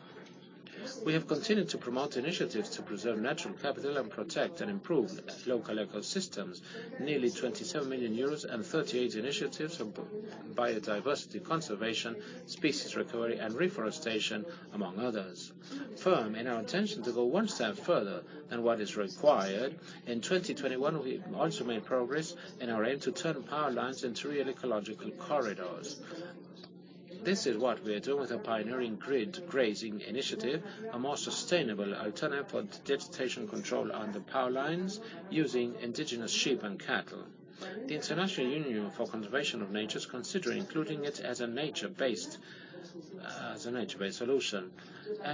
We have continued to promote initiatives to preserve natural capital and protect and improve local ecosystems. Nearly 27 million euros and 38 initiatives on biodiversity conservation, species recovery, and reforestation, among others. Firm in our intention to go one step further than what is required, in 2021, we also made progress in our aim to turn power lines into real ecological corridors. This is what we are doing with our pioneering grid grazing initiative, a more sustainable alternative for vegetation control under power lines using indigenous sheep and cattle. The International Union for Conservation of Nature is considering including it as a nature-based solution.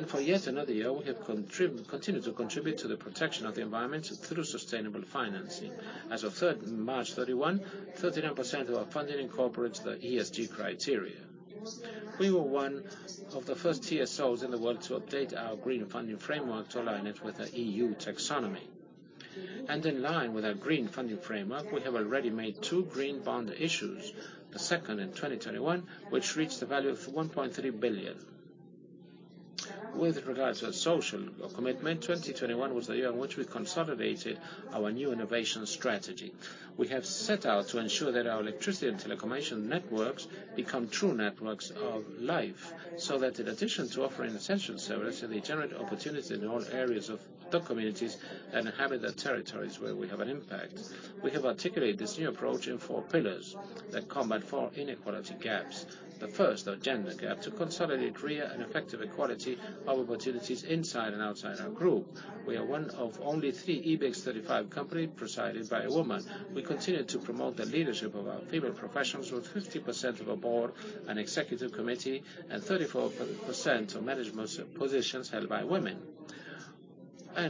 For yet another year, we have continued to contribute to the protection of the environment through sustainable financing. As of March 31, 39% of our funding incorporates the ESG criteria. We were one of the first TSOs in the world to update our green funding framework to align it with the EU Taxonomy. In line with our green funding framework, we have already made two green bond issues, the second in 2021, which reached the value of 1.3 billion. With regards to our social commitment, 2021 was the year in which we consolidated our new innovation strategy. We have set out to ensure that our electricity and telecommunication networks become true networks of life, so that in addition to offering essential services, they generate opportunities in all areas of the communities and inhabit the territories where we have an impact. We have articulated this new approach in four pillars that combat four inequality gaps. The first, our gender gap, to consolidate, create, and effective equality of opportunities inside and outside our group. We are one of only three IBEX 35 company presided by a woman. We continue to promote the leadership of our female professionals, with 50% of a board and executive committee and 34% of management positions held by women.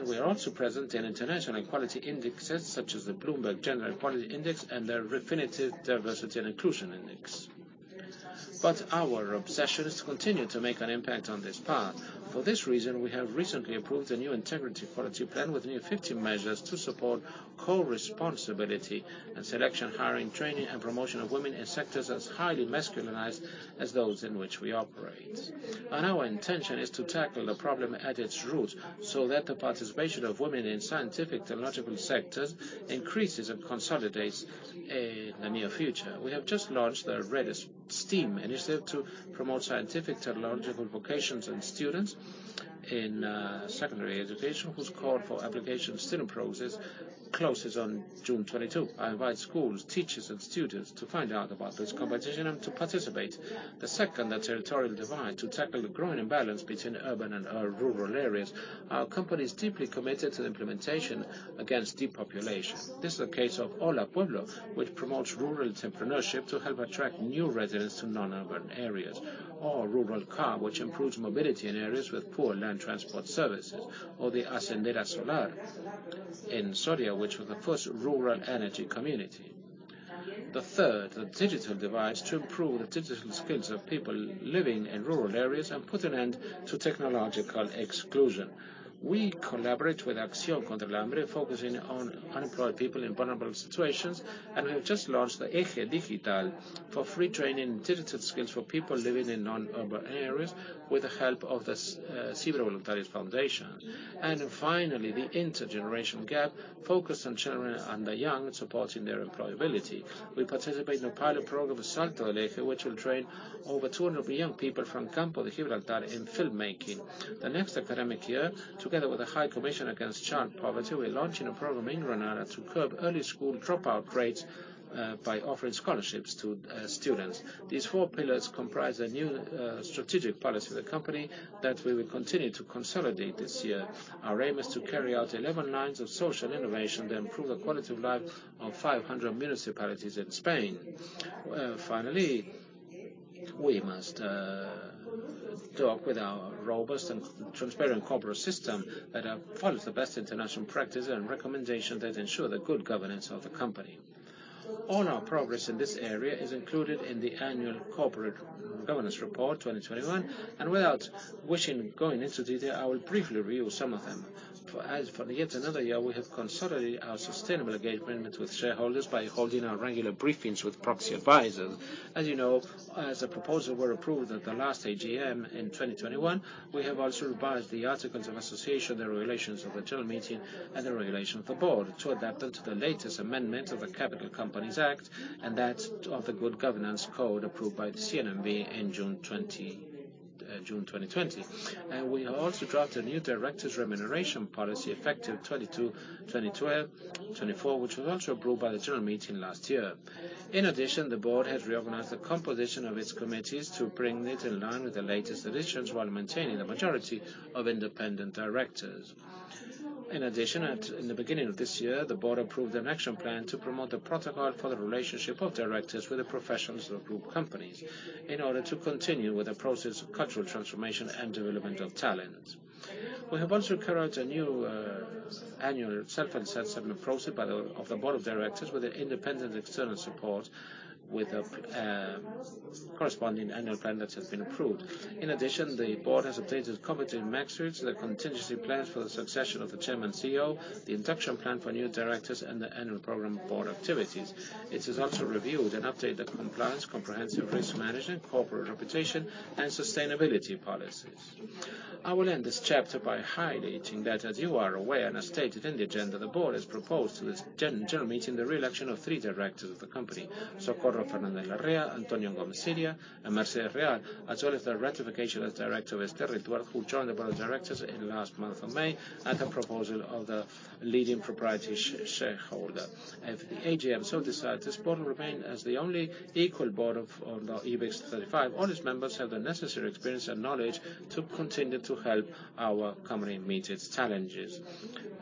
We are also present in international equality indexes, such as the Bloomberg Gender-Equality Index and the Refinitiv Diversity and Inclusion Index. Our obsession is to continue to make an impact on this path. For this reason, we have recently approved a new integrity equality plan with new effective measures to support co-responsibility and selection, hiring, training, and promotion of women in sectors as highly masculinized as those in which we operate. Our intention is to tackle the problem at its root, so that the participation of women in scientific technological sectors increases and consolidates in the near future. We have just launched the RedeSTEAM initiative to promote scientific technological vocations in students in secondary education, whose call for application student process closes on June 22. I invite schools, teachers, and students to find out about this competition and to participate. The second, the territorial divide, to tackle the growing imbalance between urban and rural areas. Our company is deeply committed to the implementation against depopulation. This is the case of Holapueblo, which promotes rural entrepreneurship to help attract new residents to non-urban areas. Or RuralCar, which improves mobility in areas with poor land transport services. Or the Hacendera Solar in Soria, which was the first rural energy community. The third, the digital divide, to improve the digital skills of people living in rural areas and put an end to technological exclusion. We collaborate with Acción contra el Hambre, focusing on unemployed people in vulnerable situations, and we have just launched the Eje Digital for free training in digital skills for people living in non-urban areas with the help of this, Fundación Cibervoluntarios. Finally, the intergenerational gap focused on children and the young, supporting their employability. We participate in a pilot program, [Salto de Eje], which will train over 200 young people from Campo de Gibraltar in filmmaking. The next academic year, together with the High Commissioner against Child Poverty, we're launching a program in Granada to curb early school dropout rates, by offering scholarships to students. These four pillars comprise a new, strategic policy of the company that we will continue to consolidate this year. Our aim is to carry out 11 lines of social innovation to improve the quality of life of 500 municipalities in Spain. Finally, we must talk with our robust and transparent corporate system that follows the best international practice and recommendation that ensure the good governance of the company. All our progress in this area is included in the annual corporate governance report 2021, and without wishing to go into detail, I will briefly review some of them. For yet another year, we have consolidated our sustainable engagement with shareholders by holding our regular briefings with proxy advisors. As you know, as the proposal were approved at the last AGM in 2021, we have also revised the articles of association, the regulations of the general meeting, and the regulation of the board to adapt them to the latest amendment of the Capital Companies Act and that of the good governance code approved by the CNMV in June 2020. We have also drafted a new directors' remuneration policy effective 2024, which was also approved by the general meeting last year. In addition, the board has reorganized the composition of its committees to bring it in line with the latest editions while maintaining the majority of independent directors. In the beginning of this year, the board approved an action plan to promote the protocol for the relationship of directors with the professionals of group companies in order to continue with the process of cultural transformation and development of talent. We have also carried out a new annual self-assessment process of the board of directors with an independent external support with a corresponding annual plan that has been approved. The board has updated continuity measures, the contingency plans for the succession of the chairman CEO, the induction plan for new directors, and the annual program of board activities. It has also reviewed and updated the compliance, comprehensive risk management, corporate reputation, and sustainability policies. I will end this chapter by highlighting that, as you are aware and as stated in the agenda, the board has proposed to this general meeting the reelection of three directors of the company, Socorro Fernández Larrea, Antonio Gómez Ciria, and Mercedes Real, as well as the ratification as director, Esther Rituerto, who joined the board of directors in late May at the proposal of the leading proprietary shareholder. If the AGM so decides, this board will remain as the only equal board on the IBEX 35. All its members have the necessary experience and knowledge to continue to help our company meet its challenges.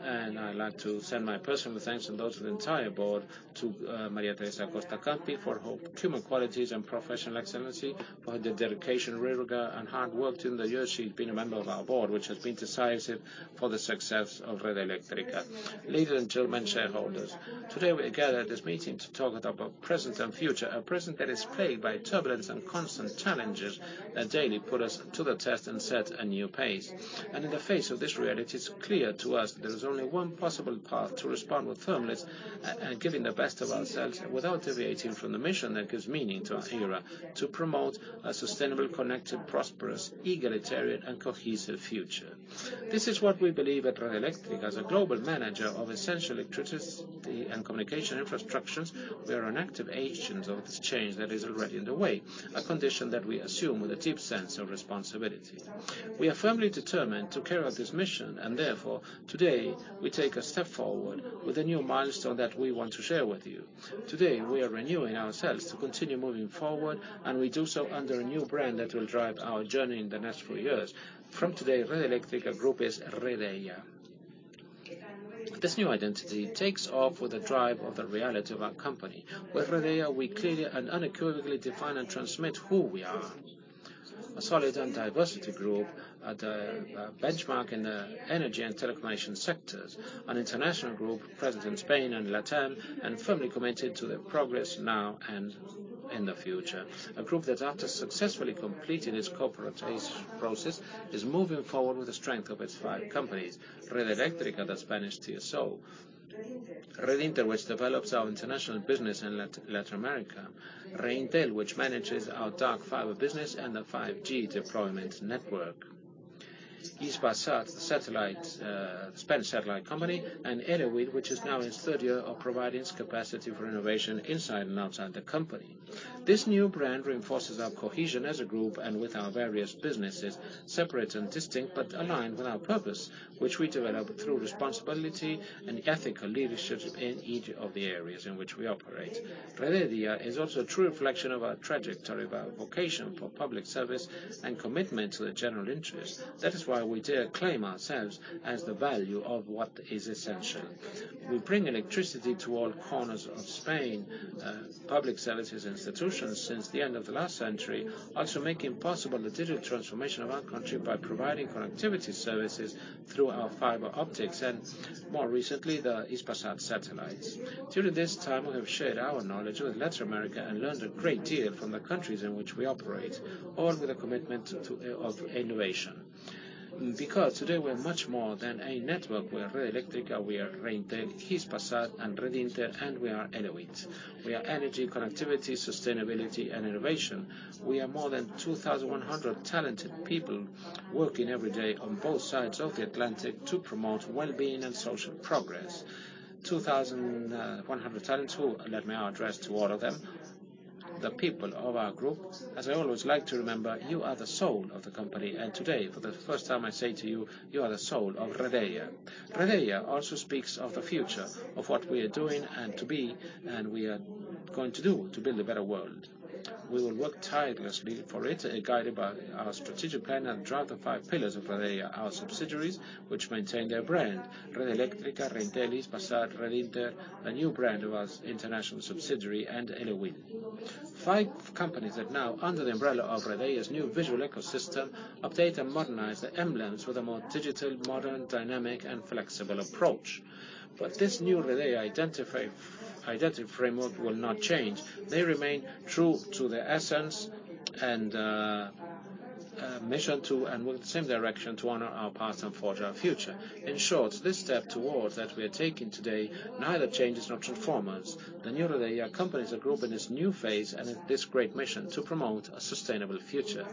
I'd like to send my personal thanks on behalf of the entire board to María Teresa Costa Campi for her human qualities and professional excellence, for the dedication, rigor, and hard work during the years she's been a member of our board, which has been decisive for the success of Red Eléctrica. Ladies and gentlemen, shareholders, today we are gathered at this meeting to talk about present and future, a present that is plagued by turbulence and constant challenges that daily put us to the test and set a new pace. In the face of this reality, it's clear to us there is only one possible path to respond with firmness and giving the best of ourselves without deviating from the mission that gives meaning to our era, to promote a sustainable, connected, prosperous, egalitarian, and cohesive future. This is what we believe at Red Eléctrica. As a global manager of essential electricity and communication infrastructures, we are an active agent of this change that is already underway, a condition that we assume with a deep sense of responsibility. We are firmly determined to carry out this mission, and therefore, today we take a step forward with a new milestone that we want to share with you. Today, we are renewing ourselves to continue moving forward, and we do so under a new brand that will drive our journey in the next few years. From today, Red Eléctrica Group is Redeia. This new identity takes off with the drive of the reality of our company. With Redeia, we clearly and unequivocally define and transmit who we are, a solid and diverse group at the benchmark in the energy and telecommunications sectors, an international group present in Spain and Latam, and firmly committed to the progress now and in the future. A group that, after successfully completing its corporate rephasing process, is moving forward with the strength of its five companies, Red Eléctrica, the Spanish TSO, Redinter, which develops our international business in Latin America, Reintel, which manages our dark fiber business and the 5G deployment network, Hispasat, the Spanish satellite company, and Elewit, which is now in its third year of providing its capacity for innovation inside and outside the company. This new brand reinforces our cohesion as a group and with our various businesses, separate and distinct, but aligned with our purpose, which we develop through responsibility and ethical leadership in each of the areas in which we operate. Redeia is also a true reflection of our trajectory, our vocation for public service, and commitment to the general interest. That is why we dare claim ourselves as the value of what is essential. We bring electricity to all corners of Spain, public services, institutions since the end of the last century, also making possible the digital transformation of our country by providing connectivity services through our fiber optics. More recently, the Hispasat satellites. During this time, we have shared our knowledge with Latin America and learned a great deal from the countries in which we operate, all with a commitment to, of innovation. Because today we are much more than a network. We are Red Eléctrica, we are Reintel, Hispasat and Redinter, and we are Elewit. We are energy, connectivity, sustainability and innovation. We are more than 2,100 talented people working every day on both sides of the Atlantic to promote well-being and social progress. 2,100 talents, who let me now address to all of them, the people of our group, as I always like to remember, you are the soul of the company. Today, for the first time, I say to you are the soul of Redeia. Redeia also speaks of the future, of what we are doing and to be, and we are going to do to build a better world. We will work tirelessly for it, guided by our strategic plan and throughout the five pillars of Redeia, our subsidiaries, which maintain their brand. Red Eléctrica, Reintel, Hispasat, Redinter, a new brand of our international subsidiary, and Elewit. Five companies that now, under the umbrella of Redeia's new visual ecosystem, update and modernize their emblems with a more digital, modern, dynamic and flexible approach. This new Redeia identity framework will not change. They remain true to their essence and with the same direction, to honor our past and forge our future. In short, this step toward that we are taking today neither changes nor transform us. The new Redeia accompanies the group in this new phase and in this great mission to promote a sustainable future.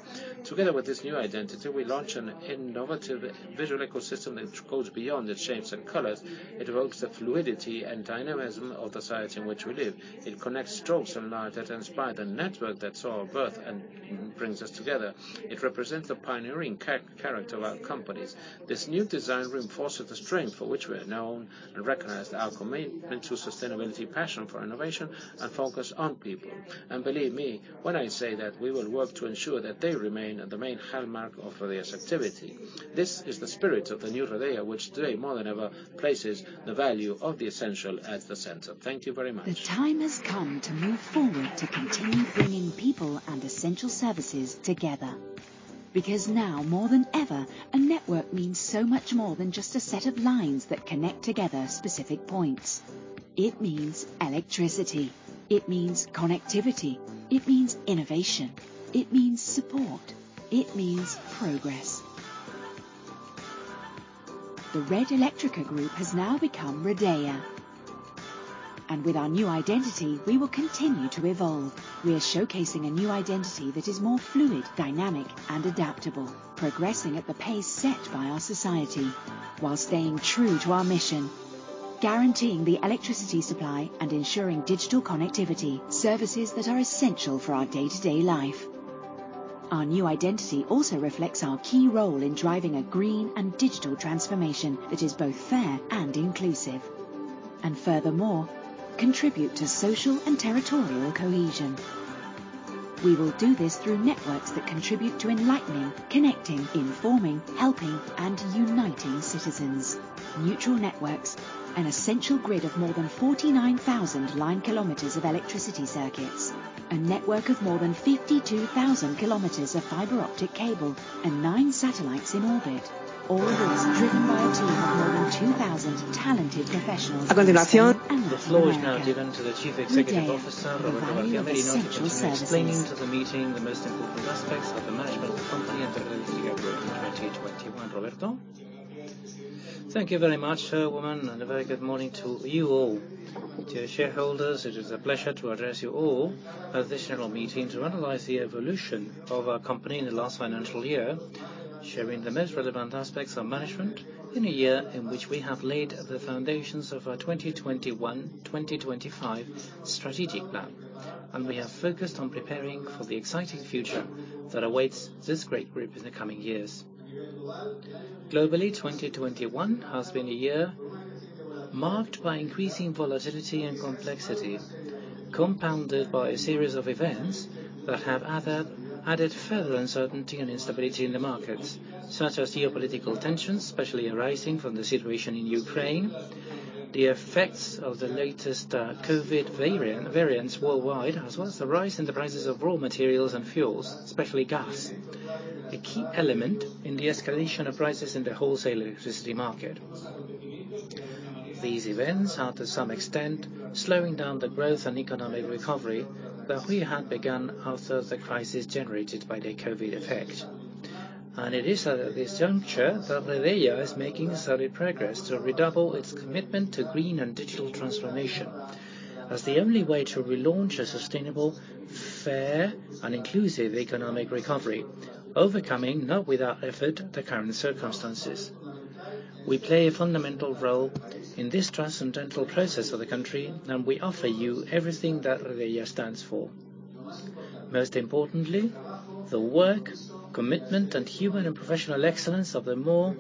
Together with this new identity, we launch an innovative visual ecosystem which goes beyond its shapes and colors. It evokes the fluidity and dynamism of the society in which we live. It connects strokes and light that inspire the network that saw our birth and brings us together. It represents the pioneering character of our companies. This new design reinforces the strength for which we are known and recognized, our commitment to sustainability, passion for innovation, and focus on people. Believe me when I say that we will work to ensure that they remain the main hallmark of Redeia's activity. This is the spirit of the new Redeia, which today more than ever, places the value of the essential at the center. Thank you very much. The time has come to move forward, to continue bringing people and essential services together. Because now more than ever, a network means so much more than just a set of lines that connect together specific points. It means electricity. It means connectivity. It means innovation. It means support. It means progress. The Red Eléctrica Group has now become Redeia. With our new identity, we will continue to evolve. We are showcasing a new identity that is more fluid, dynamic, and adaptable, progressing at the pace set by our society while staying true to our mission, guaranteeing the electricity supply and ensuring digital connectivity, services that are essential for our day-to-day life. Our new identity also reflects our key role in driving a green and digital transformation that is both fair and inclusive, and furthermore, contribute to social and territorial cohesion. We will do this through networks that contribute to enlightening, connecting, informing, helping, and uniting citizens. Neutral networks, an essential grid of more than 49,000 line km of electricity circuits, a network of more than 52,000 km of fiber optic cable and nine satellites in orbit. All this driven by a team of more than 2,000 talented professionals. The floor is now given to the Chief Executive Officer, Roberto García Merino, who will continue explaining to the meeting the most important aspects of the management of the company and the Red Eléctrica Group in 2021. Roberto? Thank you very much, Chairwoman, and a very good morning to you all. To shareholders, it is a pleasure to address you all at this general meeting to analyze the evolution of our company in the last financial year, sharing the most relevant aspects of management in a year in which we have laid the foundations of our 2021, 2025 strategic plan. We are focused on preparing for the exciting future that awaits this great group in the coming years. Globally, 2021 has been a year marked by increasing volatility and complexity, compounded by a series of events that have added further uncertainty and instability in the markets, such as geopolitical tensions, especially arising from the situation in Ukraine, the effects of the latest COVID variants worldwide, as well as the rise in the prices of raw materials and fuels, especially gas, a key element in the escalation of prices in the wholesale electricity market. These events are, to some extent, slowing down the growth and economic recovery that we had begun after the crisis generated by the COVID effect. It is at this juncture that Redeia is making steady progress to redouble its commitment to green and digital transformation as the only way to relaunch a sustainable, fair, and inclusive economic recovery, overcoming, not without effort, the current circumstances. We play a fundamental role in this transcendental process of the country, and we offer you everything that Redeia stands for. Most importantly, the work, commitment, and human and professional excellence of the more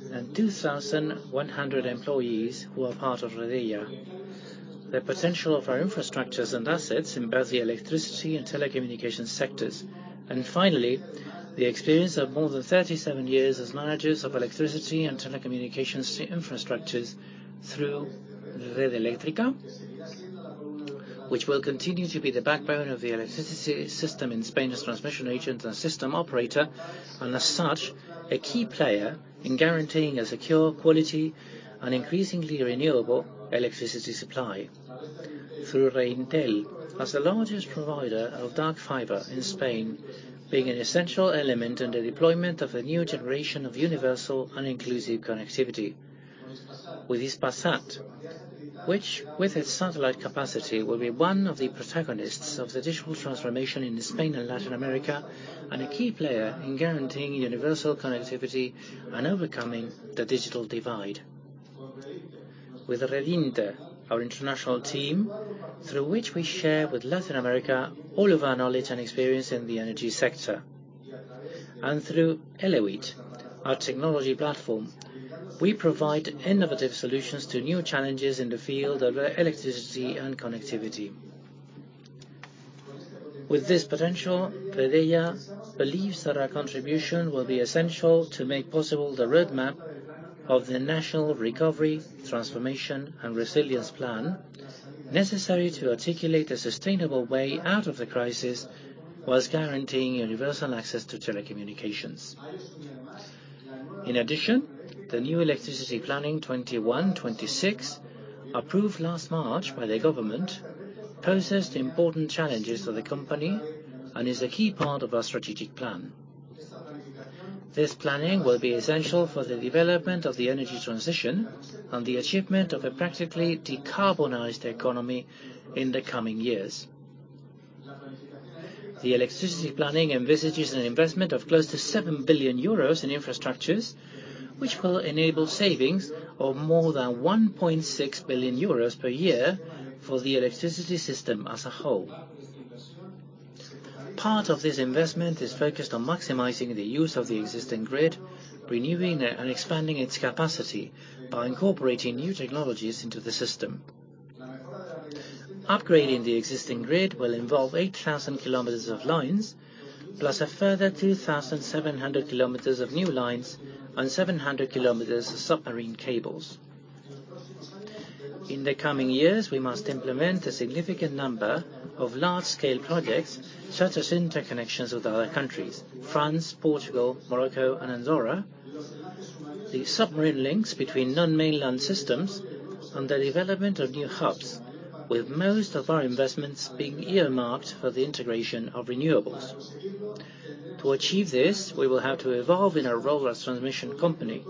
than 2,100 employees who are part of Redeia. The potential of our infrastructures and assets in both the electricity and telecommunications sectors. Finally, the experience of more than 37 years as managers of electricity and telecommunications infrastructures. Through Red Eléctrica, which will continue to be the backbone of the electricity system in Spain as transmission agent and system operator, and as such, a key player in guaranteeing a secure quality and increasingly renewable electricity supply. Through Reintel, as the largest provider of dark fiber in Spain, being an essential element in the deployment of the new generation of universal and inclusive connectivity. With Hispasat, which with its satellite capacity, will be one of the protagonists of the digital transformation in Spain and Latin America, and a key player in guaranteeing universal connectivity and overcoming the digital divide. With Redinter, our international team, through which we share with Latin America all of our knowledge and experience in the energy sector. Through Elewit, our technology platform, we provide innovative solutions to new challenges in the field of electricity and connectivity. With this potential, Redeia believes that our contribution will be essential to make possible the roadmap of the Recovery, Transformation and Resilience Plan, necessary to articulate a sustainable way out of the crisis while guaranteeing universal access to telecommunications. In addition, the new electricity planning 2021-2026, approved last March by the government, poses the important challenges to the company and is a key part of our strategic plan. This planning will be essential for the development of the energy transition and the achievement of a practically decarbonized economy in the coming years. The electricity planning envisages an investment of close to 7 billion euros in infrastructures, which will enable savings of more than 1.6 billion euros per year for the electricity system as a whole. Part of this investment is focused on maximizing the use of the existing grid, renewing and expanding its capacity by incorporating new technologies into the system. Upgrading the existing grid will involve 8,000 km of lines, plus a further 2,700 km of new lines and 700 km of submarine cables. In the coming years, we must implement a significant number of large-scale projects, such as interconnections with other countries, France, Portugal, Morocco, and Andorra, the submarine links between non-mainland systems, and the development of new hubs, with most of our investments being earmarked for the integration of renewables. To achieve this, we will have to evolve in our role as transmission company,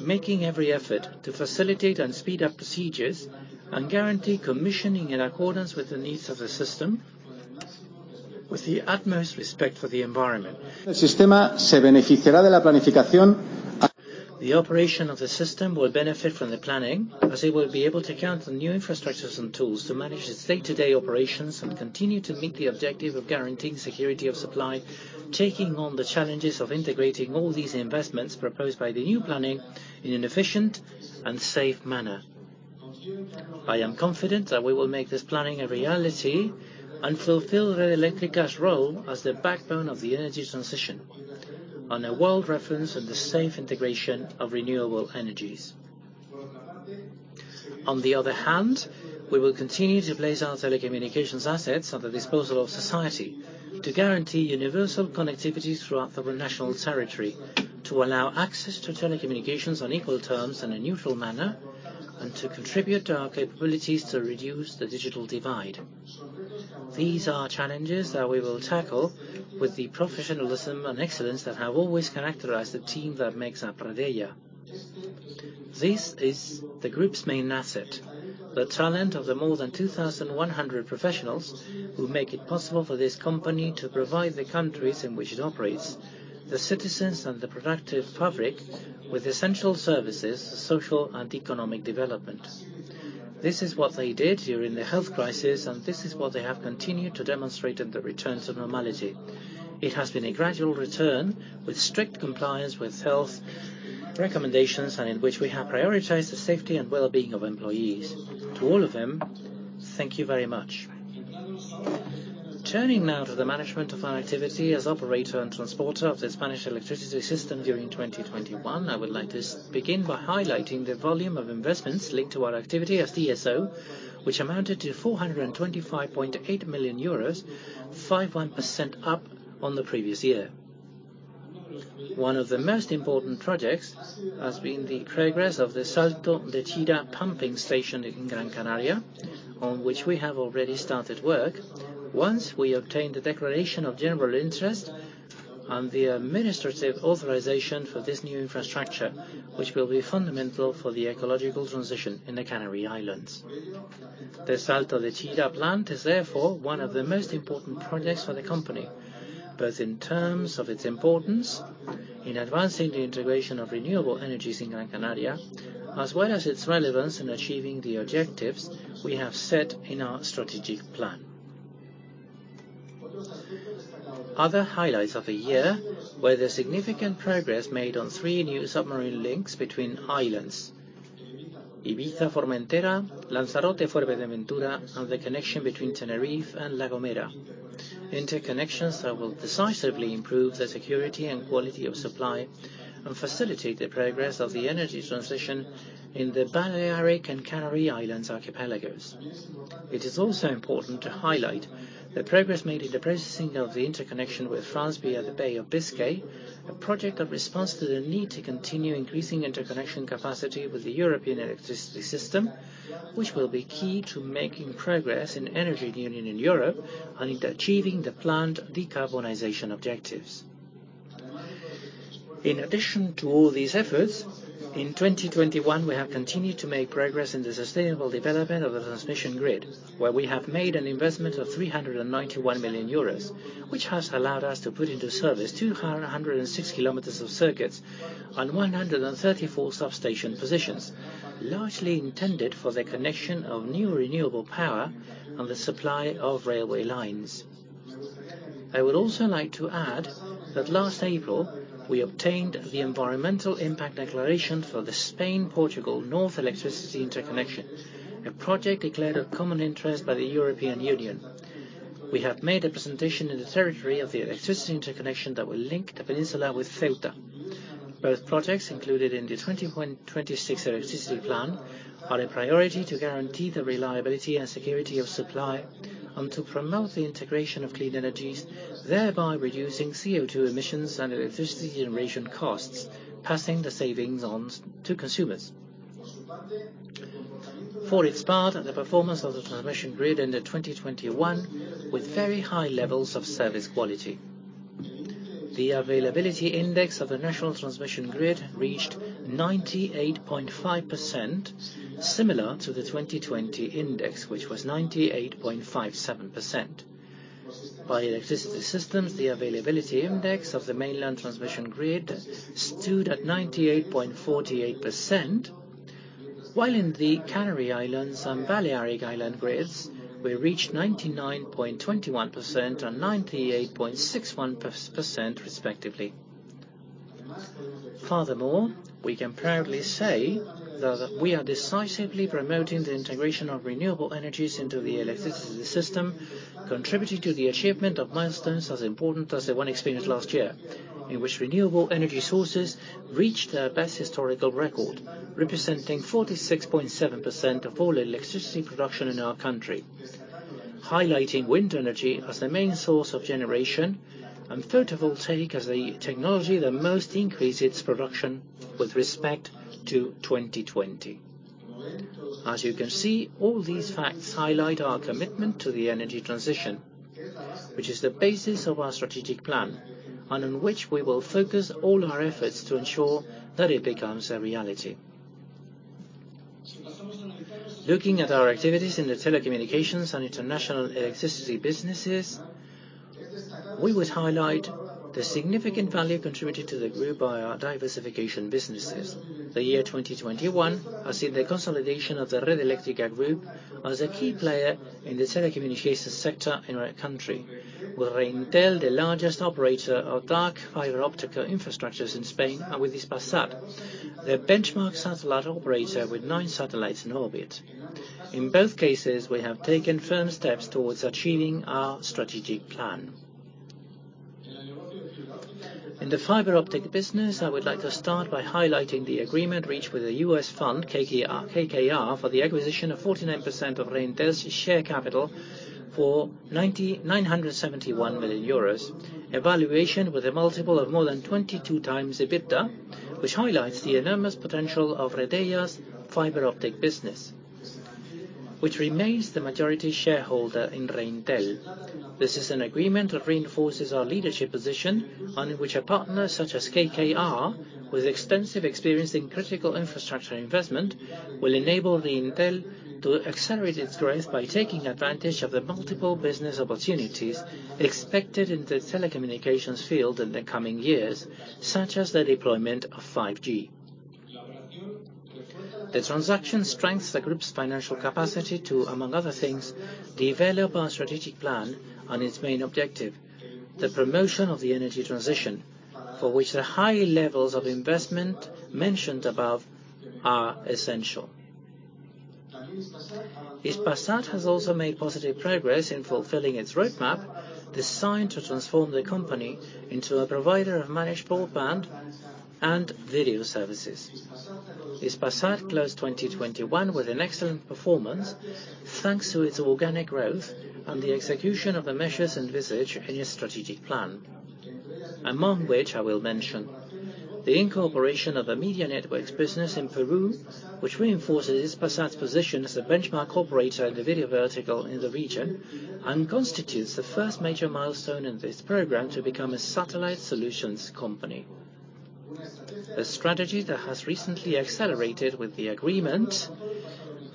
making every effort to facilitate and speed up procedures and guarantee commissioning in accordance with the needs of the system with the utmost respect for the environment. The operation of the system will benefit from the planning as it will be able to count on new infrastructures and tools to manage its day-to-day operations and continue to meet the objective of guaranteeing security of supply, taking on the challenges of integrating all these investments proposed by the new planning in an efficient and safe manner. I am confident that we will make this planning a reality and fulfill Red Eléctrica's role as the backbone of the energy transition and a world reference in the safe integration of renewable energies. On the other hand, we will continue to place our telecommunications assets at the disposal of society to guarantee universal connectivity throughout the national territory, to allow access to telecommunications on equal terms in a neutral manner, and to contribute our capabilities to reduce the digital divide. These are challenges that we will tackle with the professionalism and excellence that have always characterized the team that makes up Redeia. This is the group's main asset, the talent of the more than 2,100 professionals who make it possible for this company to provide the countries in which it operates, the citizens and the productive fabric with essential services, social and economic development. This is what they did during the health crisis, and this is what they have continued to demonstrate in the return to normality. It has been a gradual return with strict compliance with health recommendations and in which we have prioritized the safety and well-being of employees. To all of them, thank you very much. Turning now to the management of our activity as operator and transporter of the Spanish electricity system during 2021, I would like to begin by highlighting the volume of investments linked to our activity as TSO, which amounted to 425.8 million euros, 51% up on the previous year. One of the most important projects has been the progress of the Salto de Chira pumping station in Gran Canaria, on which we have already started work once we obtained the declaration of general interest and the administrative authorization for this new infrastructure, which will be fundamental for the ecological transition in the Canary Islands. The Salto de Chira plant is therefore one of the most important projects for the company, both in terms of its importance in advancing the integration of renewable energies in Gran Canaria, as well as its relevance in achieving the objectives we have set in our strategic plan. Other highlights of the year were the significant progress made on three new submarine links between islands, Ibiza-Formentera, Lanzarote-Fuerteventura, and the connection between Tenerife and La Gomera, interconnections that will decisively improve the security and quality of supply and facilitate the progress of the energy transition in the Balearic and Canary Islands archipelagos. It is also important to highlight the progress made in the processing of the interconnection with France via the Bay of Biscay, a project that responds to the need to continue increasing interconnection capacity with the European electricity system, which will be key to making progress in energy union in Europe and in achieving the planned decarbonization objectives. In addition to all these efforts, in 2021, we have continued to make progress in the sustainable development of the transmission grid, where we have made an investment of 391 million euros, which has allowed us to put into service 206 km of circuits on 134 substation positions, largely intended for the connection of new renewable power and the supply of railway lines. I would also like to add that last April, we obtained the environmental impact declaration for the Spain-Portugal north electricity interconnection, a project declared of common interest by the European Union. We have made a presentation in the territory of the electricity interconnection that will link the peninsula with Ceuta. Both projects included in the 2026 electricity plan are a priority to guarantee the reliability and security of supply and to promote the integration of clean energies, thereby reducing CO₂ emissions and electricity generation costs, passing the savings on to consumers. For its part, the performance of the transmission grid in the 2021 with very high levels of service quality. The availability index of the national transmission grid reached 98.5%, similar to the 2020 index, which was 98.57%. By electricity systems, the availability index of the mainland transmission grid stood at 98.48%, while in the Canary Islands and Balearic Island grids, we reached 99.21% and 98.61% respectively. Furthermore, we can proudly say that we are decisively promoting the integration of renewable energies into the electricity system, contributing to the achievement of milestones as important as the one experienced last year, in which renewable energy sources reached their best historical record, representing 46.7% of all electricity production in our country, highlighting wind energy as the main source of generation and photovoltaic as the technology that most increased its production with respect to 2020. As you can see, all these facts highlight our commitment to the energy transition, which is the basis of our strategic plan, and in which we will focus all our efforts to ensure that it becomes a reality. Looking at our activities in the telecommunications and international electricity businesses, we would highlight the significant value contributed to the group by our diversification businesses. The year 2021 has seen the consolidation of Redeia as a key player in the telecommunications sector in our country. With Reintel, the largest operator of dark fiber optical infrastructures in Spain, and with Hispasat, the benchmark satellite operator with 9 satellites in orbit. In both cases, we have taken firm steps towards achieving our strategic plan. In the fiber optic business, I would like to start by highlighting the agreement reached with the U.S. fund, KKR, for the acquisition of 49% of Reintel's share capital for 971 million euros, valuation with a multiple of more than 22x EBITDA, which highlights the enormous potential of Redeia's fiber optic business, which remains the majority shareholder in Reintel. This is an agreement that reinforces our leadership position and in which a partner such as KKR, with extensive experience in critical infrastructure investment, will enable Reintel to accelerate its growth by taking advantage of the multiple business opportunities expected in the telecommunications field in the coming years, such as the deployment of 5G. The transaction strengthens the group's financial capacity to, among other things, develop our strategic plan and its main objective, the promotion of the energy transition, for which the high levels of investment mentioned above are essential. Hispasat has also made positive progress in fulfilling its roadmap, designed to transform the company into a provider of managed broadband and video services. Hispasat closed 2021 with an excellent performance, thanks to its organic growth and the execution of the measures envisaged in its strategic plan. Among which I will mention the incorporation of a media networks business in Peru, which reinforces Hispasat's position as a benchmark operator in the video vertical in the region and constitutes the first major milestone in this program to become a satellite solutions company. A strategy that has recently accelerated with the agreement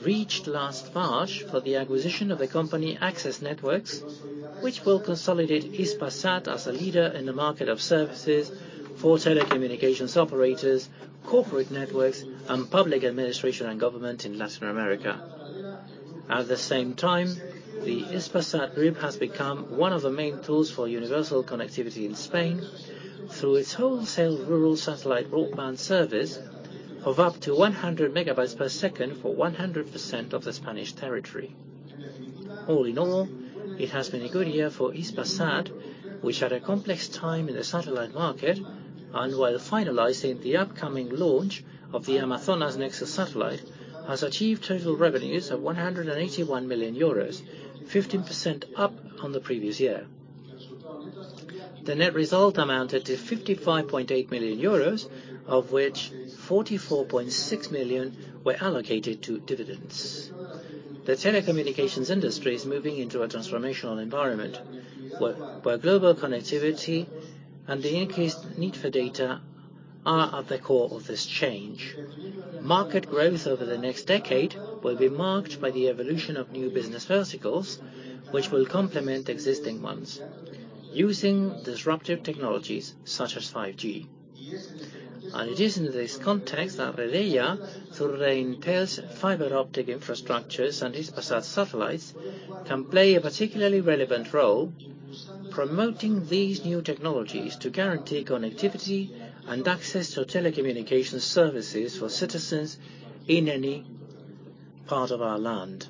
reached last March for the acquisition of the company AXESS Networks, which will consolidate Hispasat as a leader in the market of services for telecommunications operators, corporate networks, and public administration and government in Latin America. At the same time, the Hispasat group has become one of the main tools for universal connectivity in Spain through its wholesale rural satellite broadband service of up to 100 megabytes per second for 100% of the Spanish territory. All in all, it has been a good year for Hispasat, which had a complex time in the satellite market, and while finalizing the upcoming launch of the Amazonas Nexus satellite, has achieved total revenues of 181 million euros, 15% up on the previous year. The net result amounted to 55.8 million euros, of which 44.6 million were allocated to dividends. The telecommunications industry is moving into a transformational environment, where global connectivity and the increased need for data are at the core of this change. Market growth over the next decade will be marked by the evolution of new business verticals, which will complement existing ones, using disruptive technologies, such as 5G. It is in this context that Redeia, through Reintel's fiber optic infrastructures and Hispasat satellites, can play a particularly relevant role promoting these new technologies to guarantee connectivity and access to telecommunications services for citizens in any part of our land.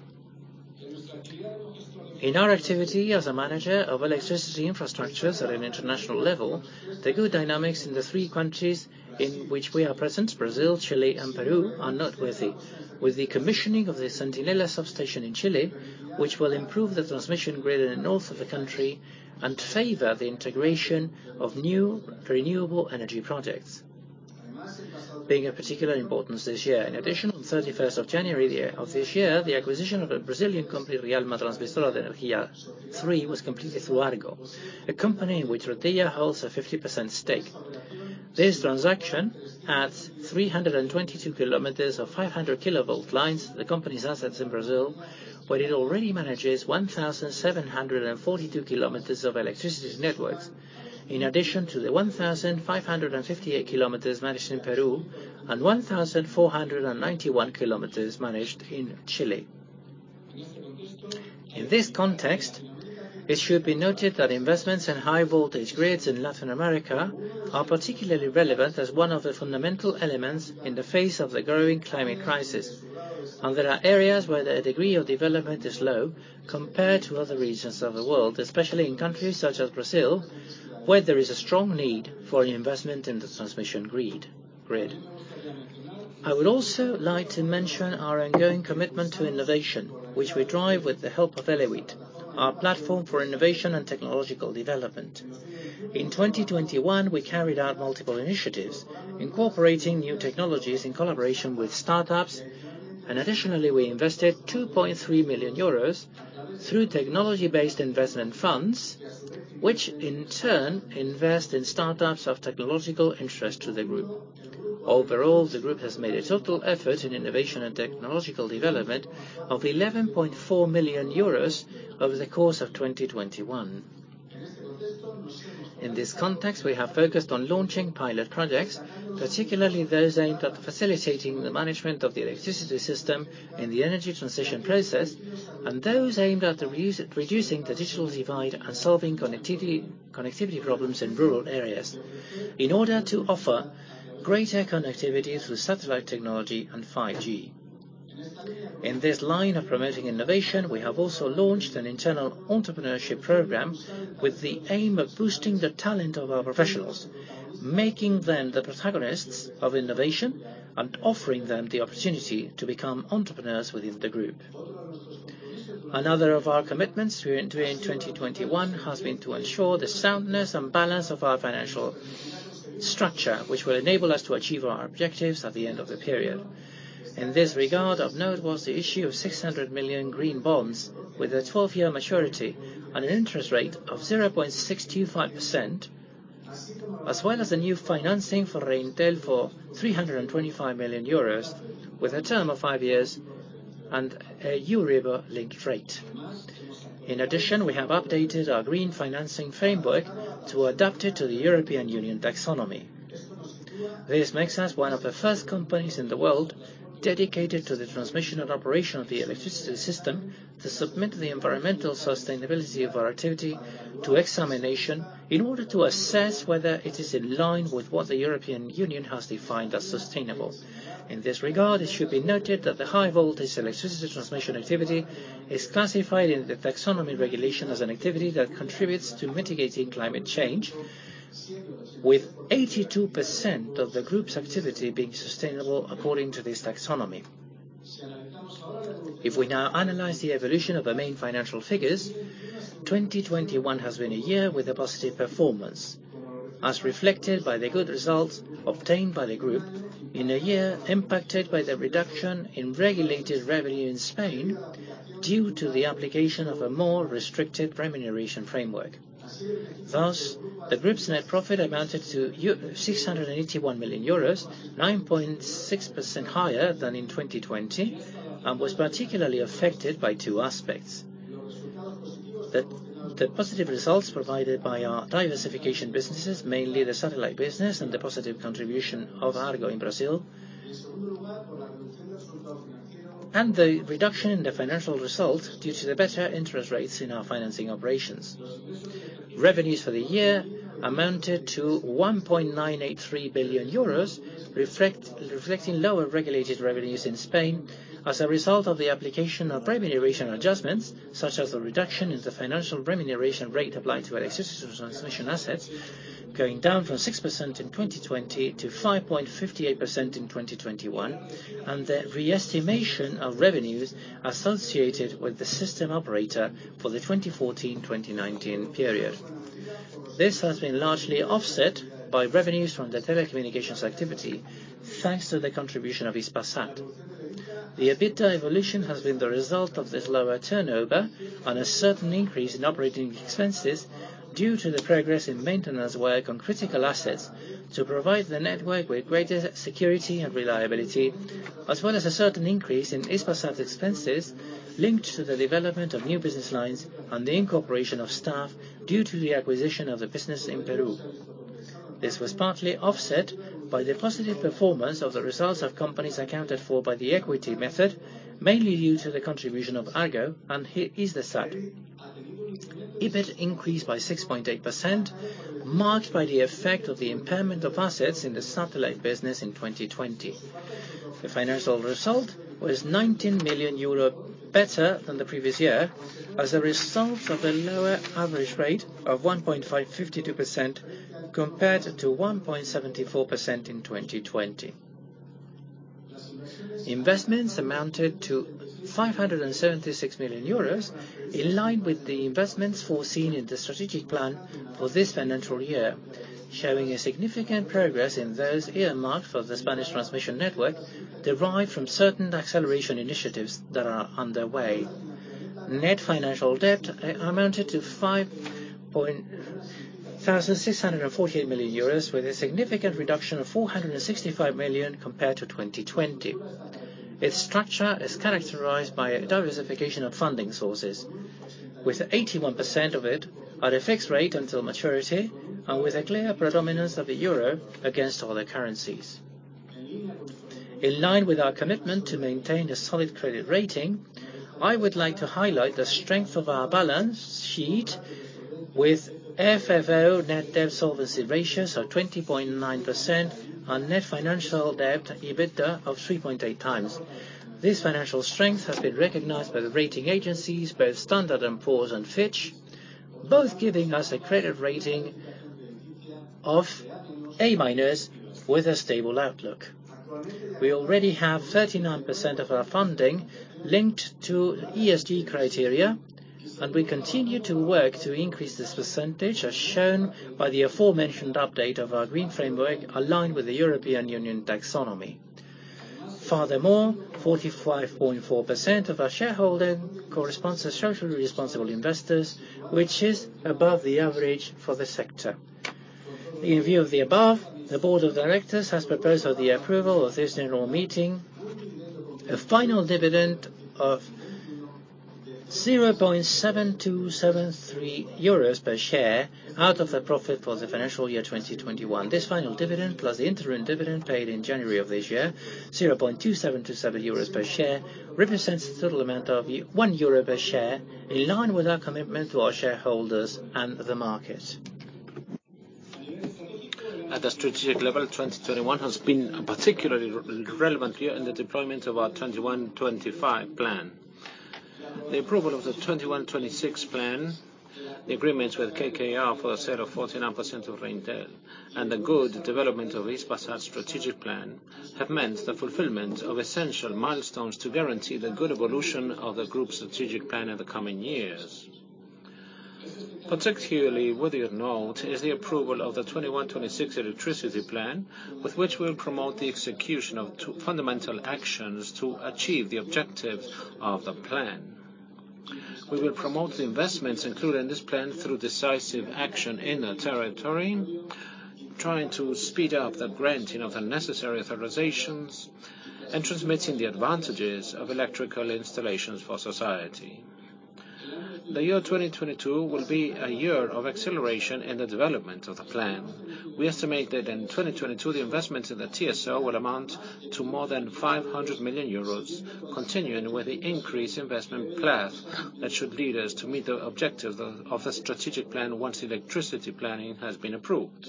In our activity as a manager of electricity infrastructures at an international level, the good dynamics in the three countries in which we are present, Brazil, Chile, and Peru, are noteworthy, with the commissioning of the Centinela substation in Chile, which will improve the transmission grid in the north of the country and favor the integration of new renewable energy projects, being of particular importance this year. In addition, on thirty-first of January of this year, the acquisition of a Brazilian company, Rialma Transmissora de Energia III, was completed through Argo, a company in which Redeia holds a 50% stake. This transaction adds 322 km of 500-kV lines to the company's assets in Brazil, where it already manages 1,742 km of electricity networks, in addition to the 1,558 km managed in Peru and 1,491 km managed in Chile. In this context, it should be noted that investments in high voltage grids in Latin America are particularly relevant as one of the fundamental elements in the face of the growing climate crisis, and there are areas where the degree of development is low compared to other regions of the world, especially in countries such as Brazil, where there is a strong need for investment in the transmission grid. I would also like to mention our ongoing commitment to innovation, which we drive with the help of Elewit, our platform for innovation and technological development. In 2021, we carried out multiple initiatives, incorporating new technologies in collaboration with startups. Additionally, we invested 2.3 million euros through technology-based investment funds, which in turn invest in startups of technological interest to the group. Overall, the group has made a total effort in innovation and technological development of 11.4 million euros over the course of 2021. In this context, we have focused on launching pilot projects, particularly those aimed at facilitating the management of the electricity system in the energy transition process, and those aimed at reducing the digital divide and solving connectivity problems in rural areas in order to offer greater connectivity through satellite technology and 5G. In this line of promoting innovation, we have also launched an internal entrepreneurship program with the aim of boosting the talent of our professionals, making them the protagonists of innovation and offering them the opportunity to become entrepreneurs within the group. Another of our commitments during 2021 has been to ensure the soundness and balance of our financial structure, which will enable us to achieve our objectives at the end of the period. In this regard, of note was the issue of 600 million green bonds with a 12-year maturity and an interest rate of 0.625%, as well as the new financing for Reintel for 325 million euros, with a term of five years and a Euribor linked rate. In addition, we have updated our green financing framework to adapt it to the EU Taxonomy. This makes us one of the first companies in the world dedicated to the transmission and operation of the electricity system to submit the environmental sustainability of our activity to examination in order to assess whether it is in line with what the European Union has defined as sustainable. In this regard, it should be noted that the high voltage electricity transmission activity is classified in the taxonomy regulation as an activity that contributes to mitigating climate change, with 82% of the group's activity being sustainable according to this taxonomy. If we now analyze the evolution of the main financial figures, 2021 has been a year with a positive performance, as reflected by the good results obtained by the group in a year impacted by the reduction in regulated revenue in Spain due to the application of a more restricted remuneration framework. Thus, the group's net profit amounted to 681 million euros, 9.6% higher than in 2020, and was particularly affected by two aspects. The positive results provided by our diversification businesses, mainly the satellite business and the positive contribution of Argo in Brazil. The reduction in the financial result due to the better interest rates in our financing operations. Revenues for the year amounted to 1.983 billion euros, reflecting lower regulated revenues in Spain as a result of the application of remuneration adjustments. Such as the reduction in the financial remuneration rate applied to our existing transmission assets, going down from 6% in 2020 to 5.58% in 2021. The re-estimation of revenues associated with the system operator for the 2014-2019 period. This has been largely offset by revenues from the telecommunications activity, thanks to the contribution of Hispasat. The EBITDA evolution has been the result of this lower turnover and a certain increase in operating expenses due to the progress in maintenance work on critical assets to provide the network with greater security and reliability, as well as a certain increase in Hispasat's expenses linked to the development of new business lines and the incorporation of staff due to the acquisition of the business in Peru. This was partly offset by the positive performance of the results of companies accounted for by the equity method, mainly due to the contribution of Argo and Hisdesat. EBIT increased by 6.8%, marked by the effect of the impairment of assets in the satellite business in 2020. The financial result was 19 million euro better than the previous year as a result of a lower average rate of 1.552% compared to 1.74% in 2020. Investments amounted to 576 million euros, in line with the investments foreseen in the strategic plan for this financial year. Showing a significant progress in those earmarked for the Spanish transmission network, derived from certain acceleration initiatives that are underway. Net financial debt amounted to 5,648 million euros, with a significant reduction of 465 million compared to 2020. Its structure is characterized by a diversification of funding sources, with 81% of it at a fixed rate until maturity, and with a clear predominance of the euro against other currencies. In line with our commitment to maintain a solid credit rating, I would like to highlight the strength of our balance sheet with FFO to net debt solvency ratio of 20.9% and net financial debt to EBITDA of 3.8x. This financial strength has been recognized by the rating agencies, both Standard & Poor's and Fitch, both giving us a credit rating of A- with a stable outlook. We already have 39% of our funding linked to ESG criteria, and we continue to work to increase this percentage, as shown by the aforementioned update of our green framework aligned with the European Union taxonomy. Furthermore, 45.4% of our shareholding corresponds to socially responsible investors, which is above the average for the sector. In view of the above, the board of directors has proposed for the approval of this annual meeting a final dividend of 0.7273 euros per share out of the profit for the financial year 2021. This final dividend, plus the interim dividend paid in January of this year, 0.2727 euros per share, represents the total amount of 1 euro per share, in line with our commitment to our shareholders and the market. At the strategic level, 2021 has been a particularly relevant year in the deployment of our 2025 plan. The approval of the 2026 plan, the agreements with KKR for the sale of 49% of Reintel, and the good development of Hispasat's strategic plan, have meant the fulfillment of essential milestones to guarantee the good evolution of the group's strategic plan in the coming years. Particularly worthy of note is the approval of the 2026 electricity plan, with which we'll promote the execution of two fundamental actions to achieve the objectives of the plan. We will promote the investments included in this plan through decisive action in the territory, trying to speed up the granting of the necessary authorizations, and transmitting the advantages of electrical installations for society. The year 2022 will be a year of acceleration in the development of the plan. We estimate that in 2022, the investment in the TSO will amount to more than 500 million euros, continuing with the increased investment plan that should lead us to meet the objectives of the strategic plan once the electricity planning has been approved.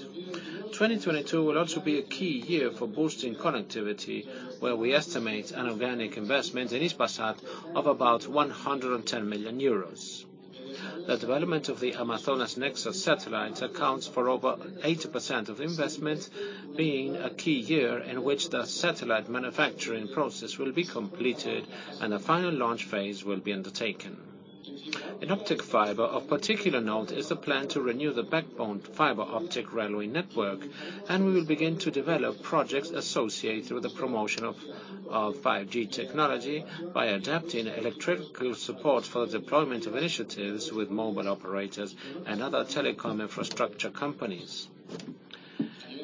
2022 will also be a key year for boosting connectivity, where we estimate an organic investment in Hispasat of about 110 million euros. The development of the Amazonas Nexus satellite accounts for over 80% of investment, being a key year in which the satellite manufacturing process will be completed and the final launch phase will be undertaken. In optic fiber, of particular note is the plan to renew the backbone fiber optic railway network, and we will begin to develop projects associated with the promotion of 5G technology by adapting electrical support for the deployment of initiatives with mobile operators and other telecom infrastructure companies.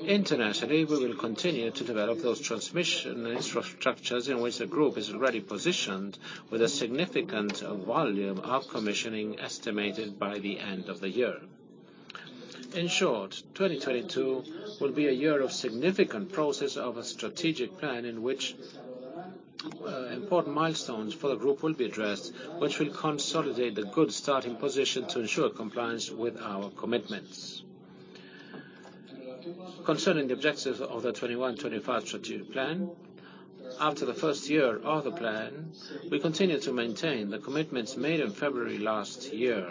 Internationally, we will continue to develop those transmission infrastructures in which the group is already positioned, with a significant volume of commissioning estimated by the end of the year. In short, 2022 will be a year of significant progress of a strategic plan in which important milestones for the group will be addressed, which will consolidate the good starting position to ensure compliance with our commitments. Concerning the objectives of the 2021-2025 strategic plan, after the first year of the plan, we continue to maintain the commitments made in February last year.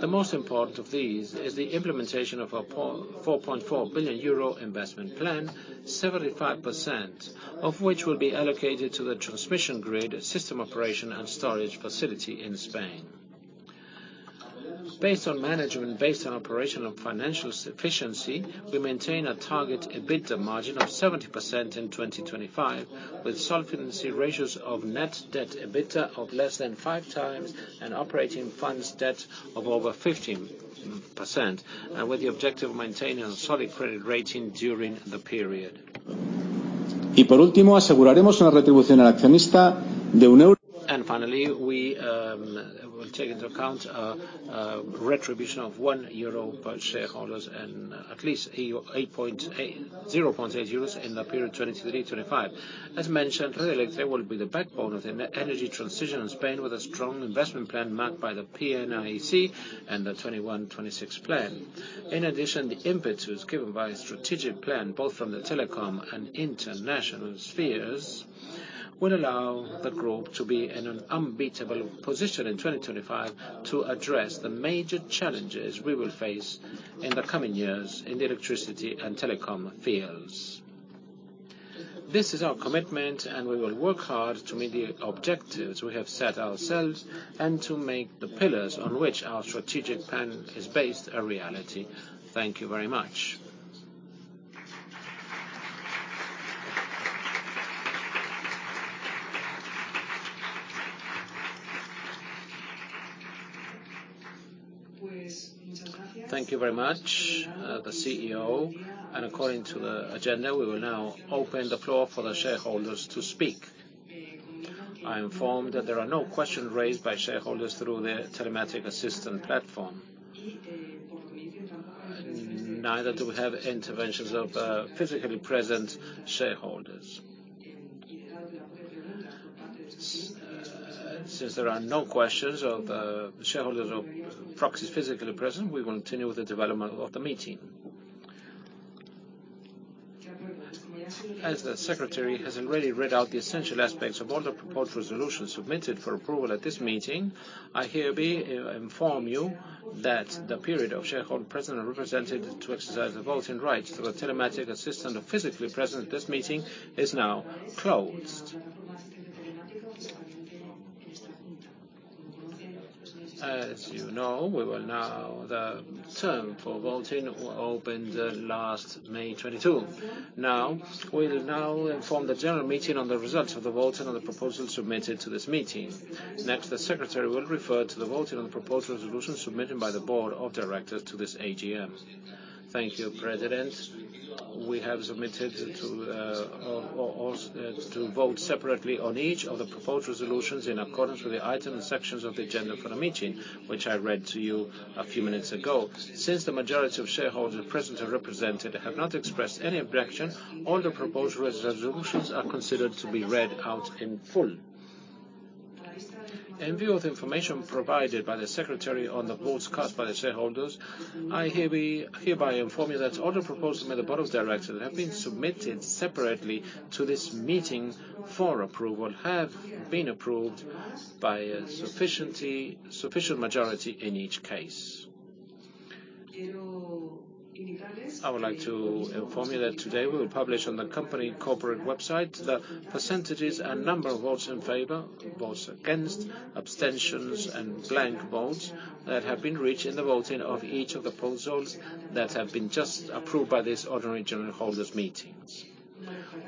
The most important of these is the implementation of our 4.4 billion euro investment plan, 75% of which will be allocated to the transmission grid system operation and storage facility in Spain. Based on operational financial efficiency, we maintain a target EBITDA margin of 70% in 2025, with solvency ratios of net debt to EBITDA of less than 5x and FFO to debt of over 15%, and with the objective of maintaining a solid credit rating during the period. Finally, we'll take into account a distribution of 1 euro per share and at least EUR 0.8 in the period 2023-2025. As mentioned, Red Eléctrica will be the backbone of the energy transition in Spain with a strong investment plan marked by the PNIEC and the 2021-2026 plan. In addition, the impetus given by strategic plan, both from the telecom and international spheres, will allow the group to be in an unbeatable position in 2025 to address the major challenges we will face in the coming years in the electricity and telecom fields. This is our commitment, and we will work hard to meet the objectives we have set ourselves and to make the pillars on which our strategic plan is based a reality. Thank you very much. Thank you very much, the CEO. According to the agenda, we will now open the floor for the shareholders to speak. I am informed that there are no questions raised by shareholders through their telematic assistance platform. Neither do we have interventions of physically present shareholders. Since there are no questions of shareholders or proxies physically present, we will continue with the development of the meeting. As the secretary has already read out the essential aspects of all the proposed resolutions submitted for approval at this meeting, I hereby inform you that the period of shareholders present and represented to exercise their voting rights through the telematic assistant or physically present at this meeting is now closed. As you know, the term for voting will open on May 22, 2022. Now, we'll inform the general meeting on the results of the voting on the proposal submitted to this meeting. Next, the secretary will refer to the voting on the proposed resolution submitted by the board of directors to this AGM. Thank you, President. We have submitted to vote separately on each of the proposed resolutions in accordance with the item and sections of the agenda for the meeting, which I read to you a few minutes ago. Since the majority of shareholders present and represented have not expressed any objection, all the proposed resolutions are considered to be read out in full. In view of the information provided by the secretary on the votes cast by the shareholders, I hereby inform you that all the proposals made by the Board of Directors that have been submitted separately to this meeting for approval have been approved by a sufficient majority in each case. I would like to inform you that today we'll publish on the company corporate website the percentages and number of votes in favor, votes against, abstentions, and blank votes that have been reached in the voting of each of the proposals that have been just approved by this ordinary general shareholders' meeting.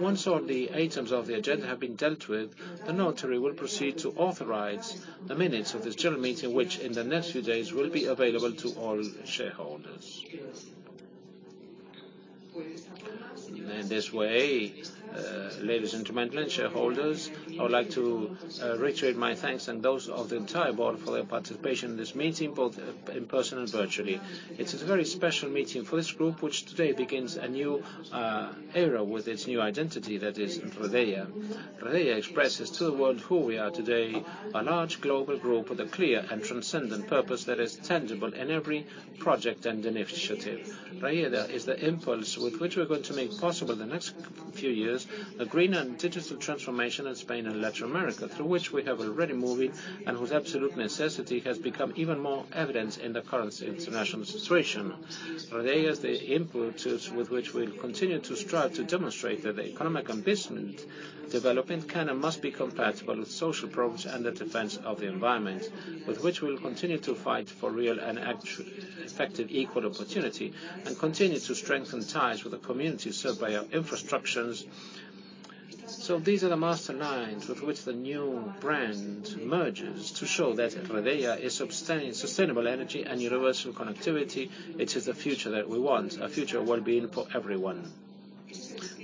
Once all the items of the agenda have been dealt with, the notary will proceed to authorize the minutes of this general meeting, which in the next few days will be available to all shareholders. In this way, ladies and gentlemen, shareholders, I would like to reiterate my thanks and those of the entire board for their participation in this meeting, both in person and virtually. It's a very special meeting for this group, which today begins a new era with its new identity, that is Redeia. Redeia expresses to the world who we are today, a large global group with a clear and transcendent purpose that is tangible in every project and initiative. Redeia is the impulse with which we're going to make possible the next few years the green and digital transformation in Spain and Latin America, through which we are already moving, and whose absolute necessity has become even more evident in the current international situation. Redeia is the impetus with which we'll continue to strive to demonstrate that the economic investment development can and must be compatible with social progress and the defense of the environment, with which we'll continue to fight for real and effective equal opportunity and continue to strengthen ties with the communities served by our infrastructures. These are the master lines with which the new brand merges to show that Redeia is sustainable energy and universal connectivity into the future that we want, a future wellbeing for everyone.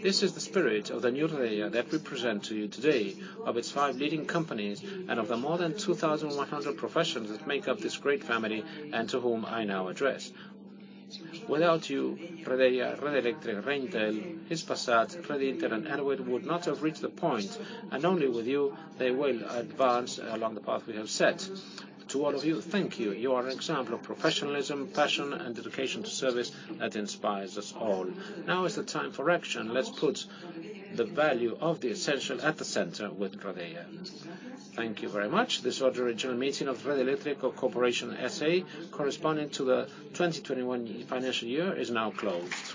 This is the spirit of the new Redeia that we present to you today, of its five leading companies and of the more than 2,100 professionals that make up this great family, and to whom I now address. Without you, Redeia, Red Eléctrica, Reintel, Hispasat, Redinter and Elewit would not have reached the point, and only with you, they will advance along the path we have set. To all of you, thank you. You are an example of professionalism, passion, and dedication to service that inspires us all. Now is the time for action. Let's put the value of the essential at the center with Redeia. Thank you very much. This Ordinary General Meeting of Red Eléctrica Corporación, S.A. corresponding to the 2021 financial year is now closed.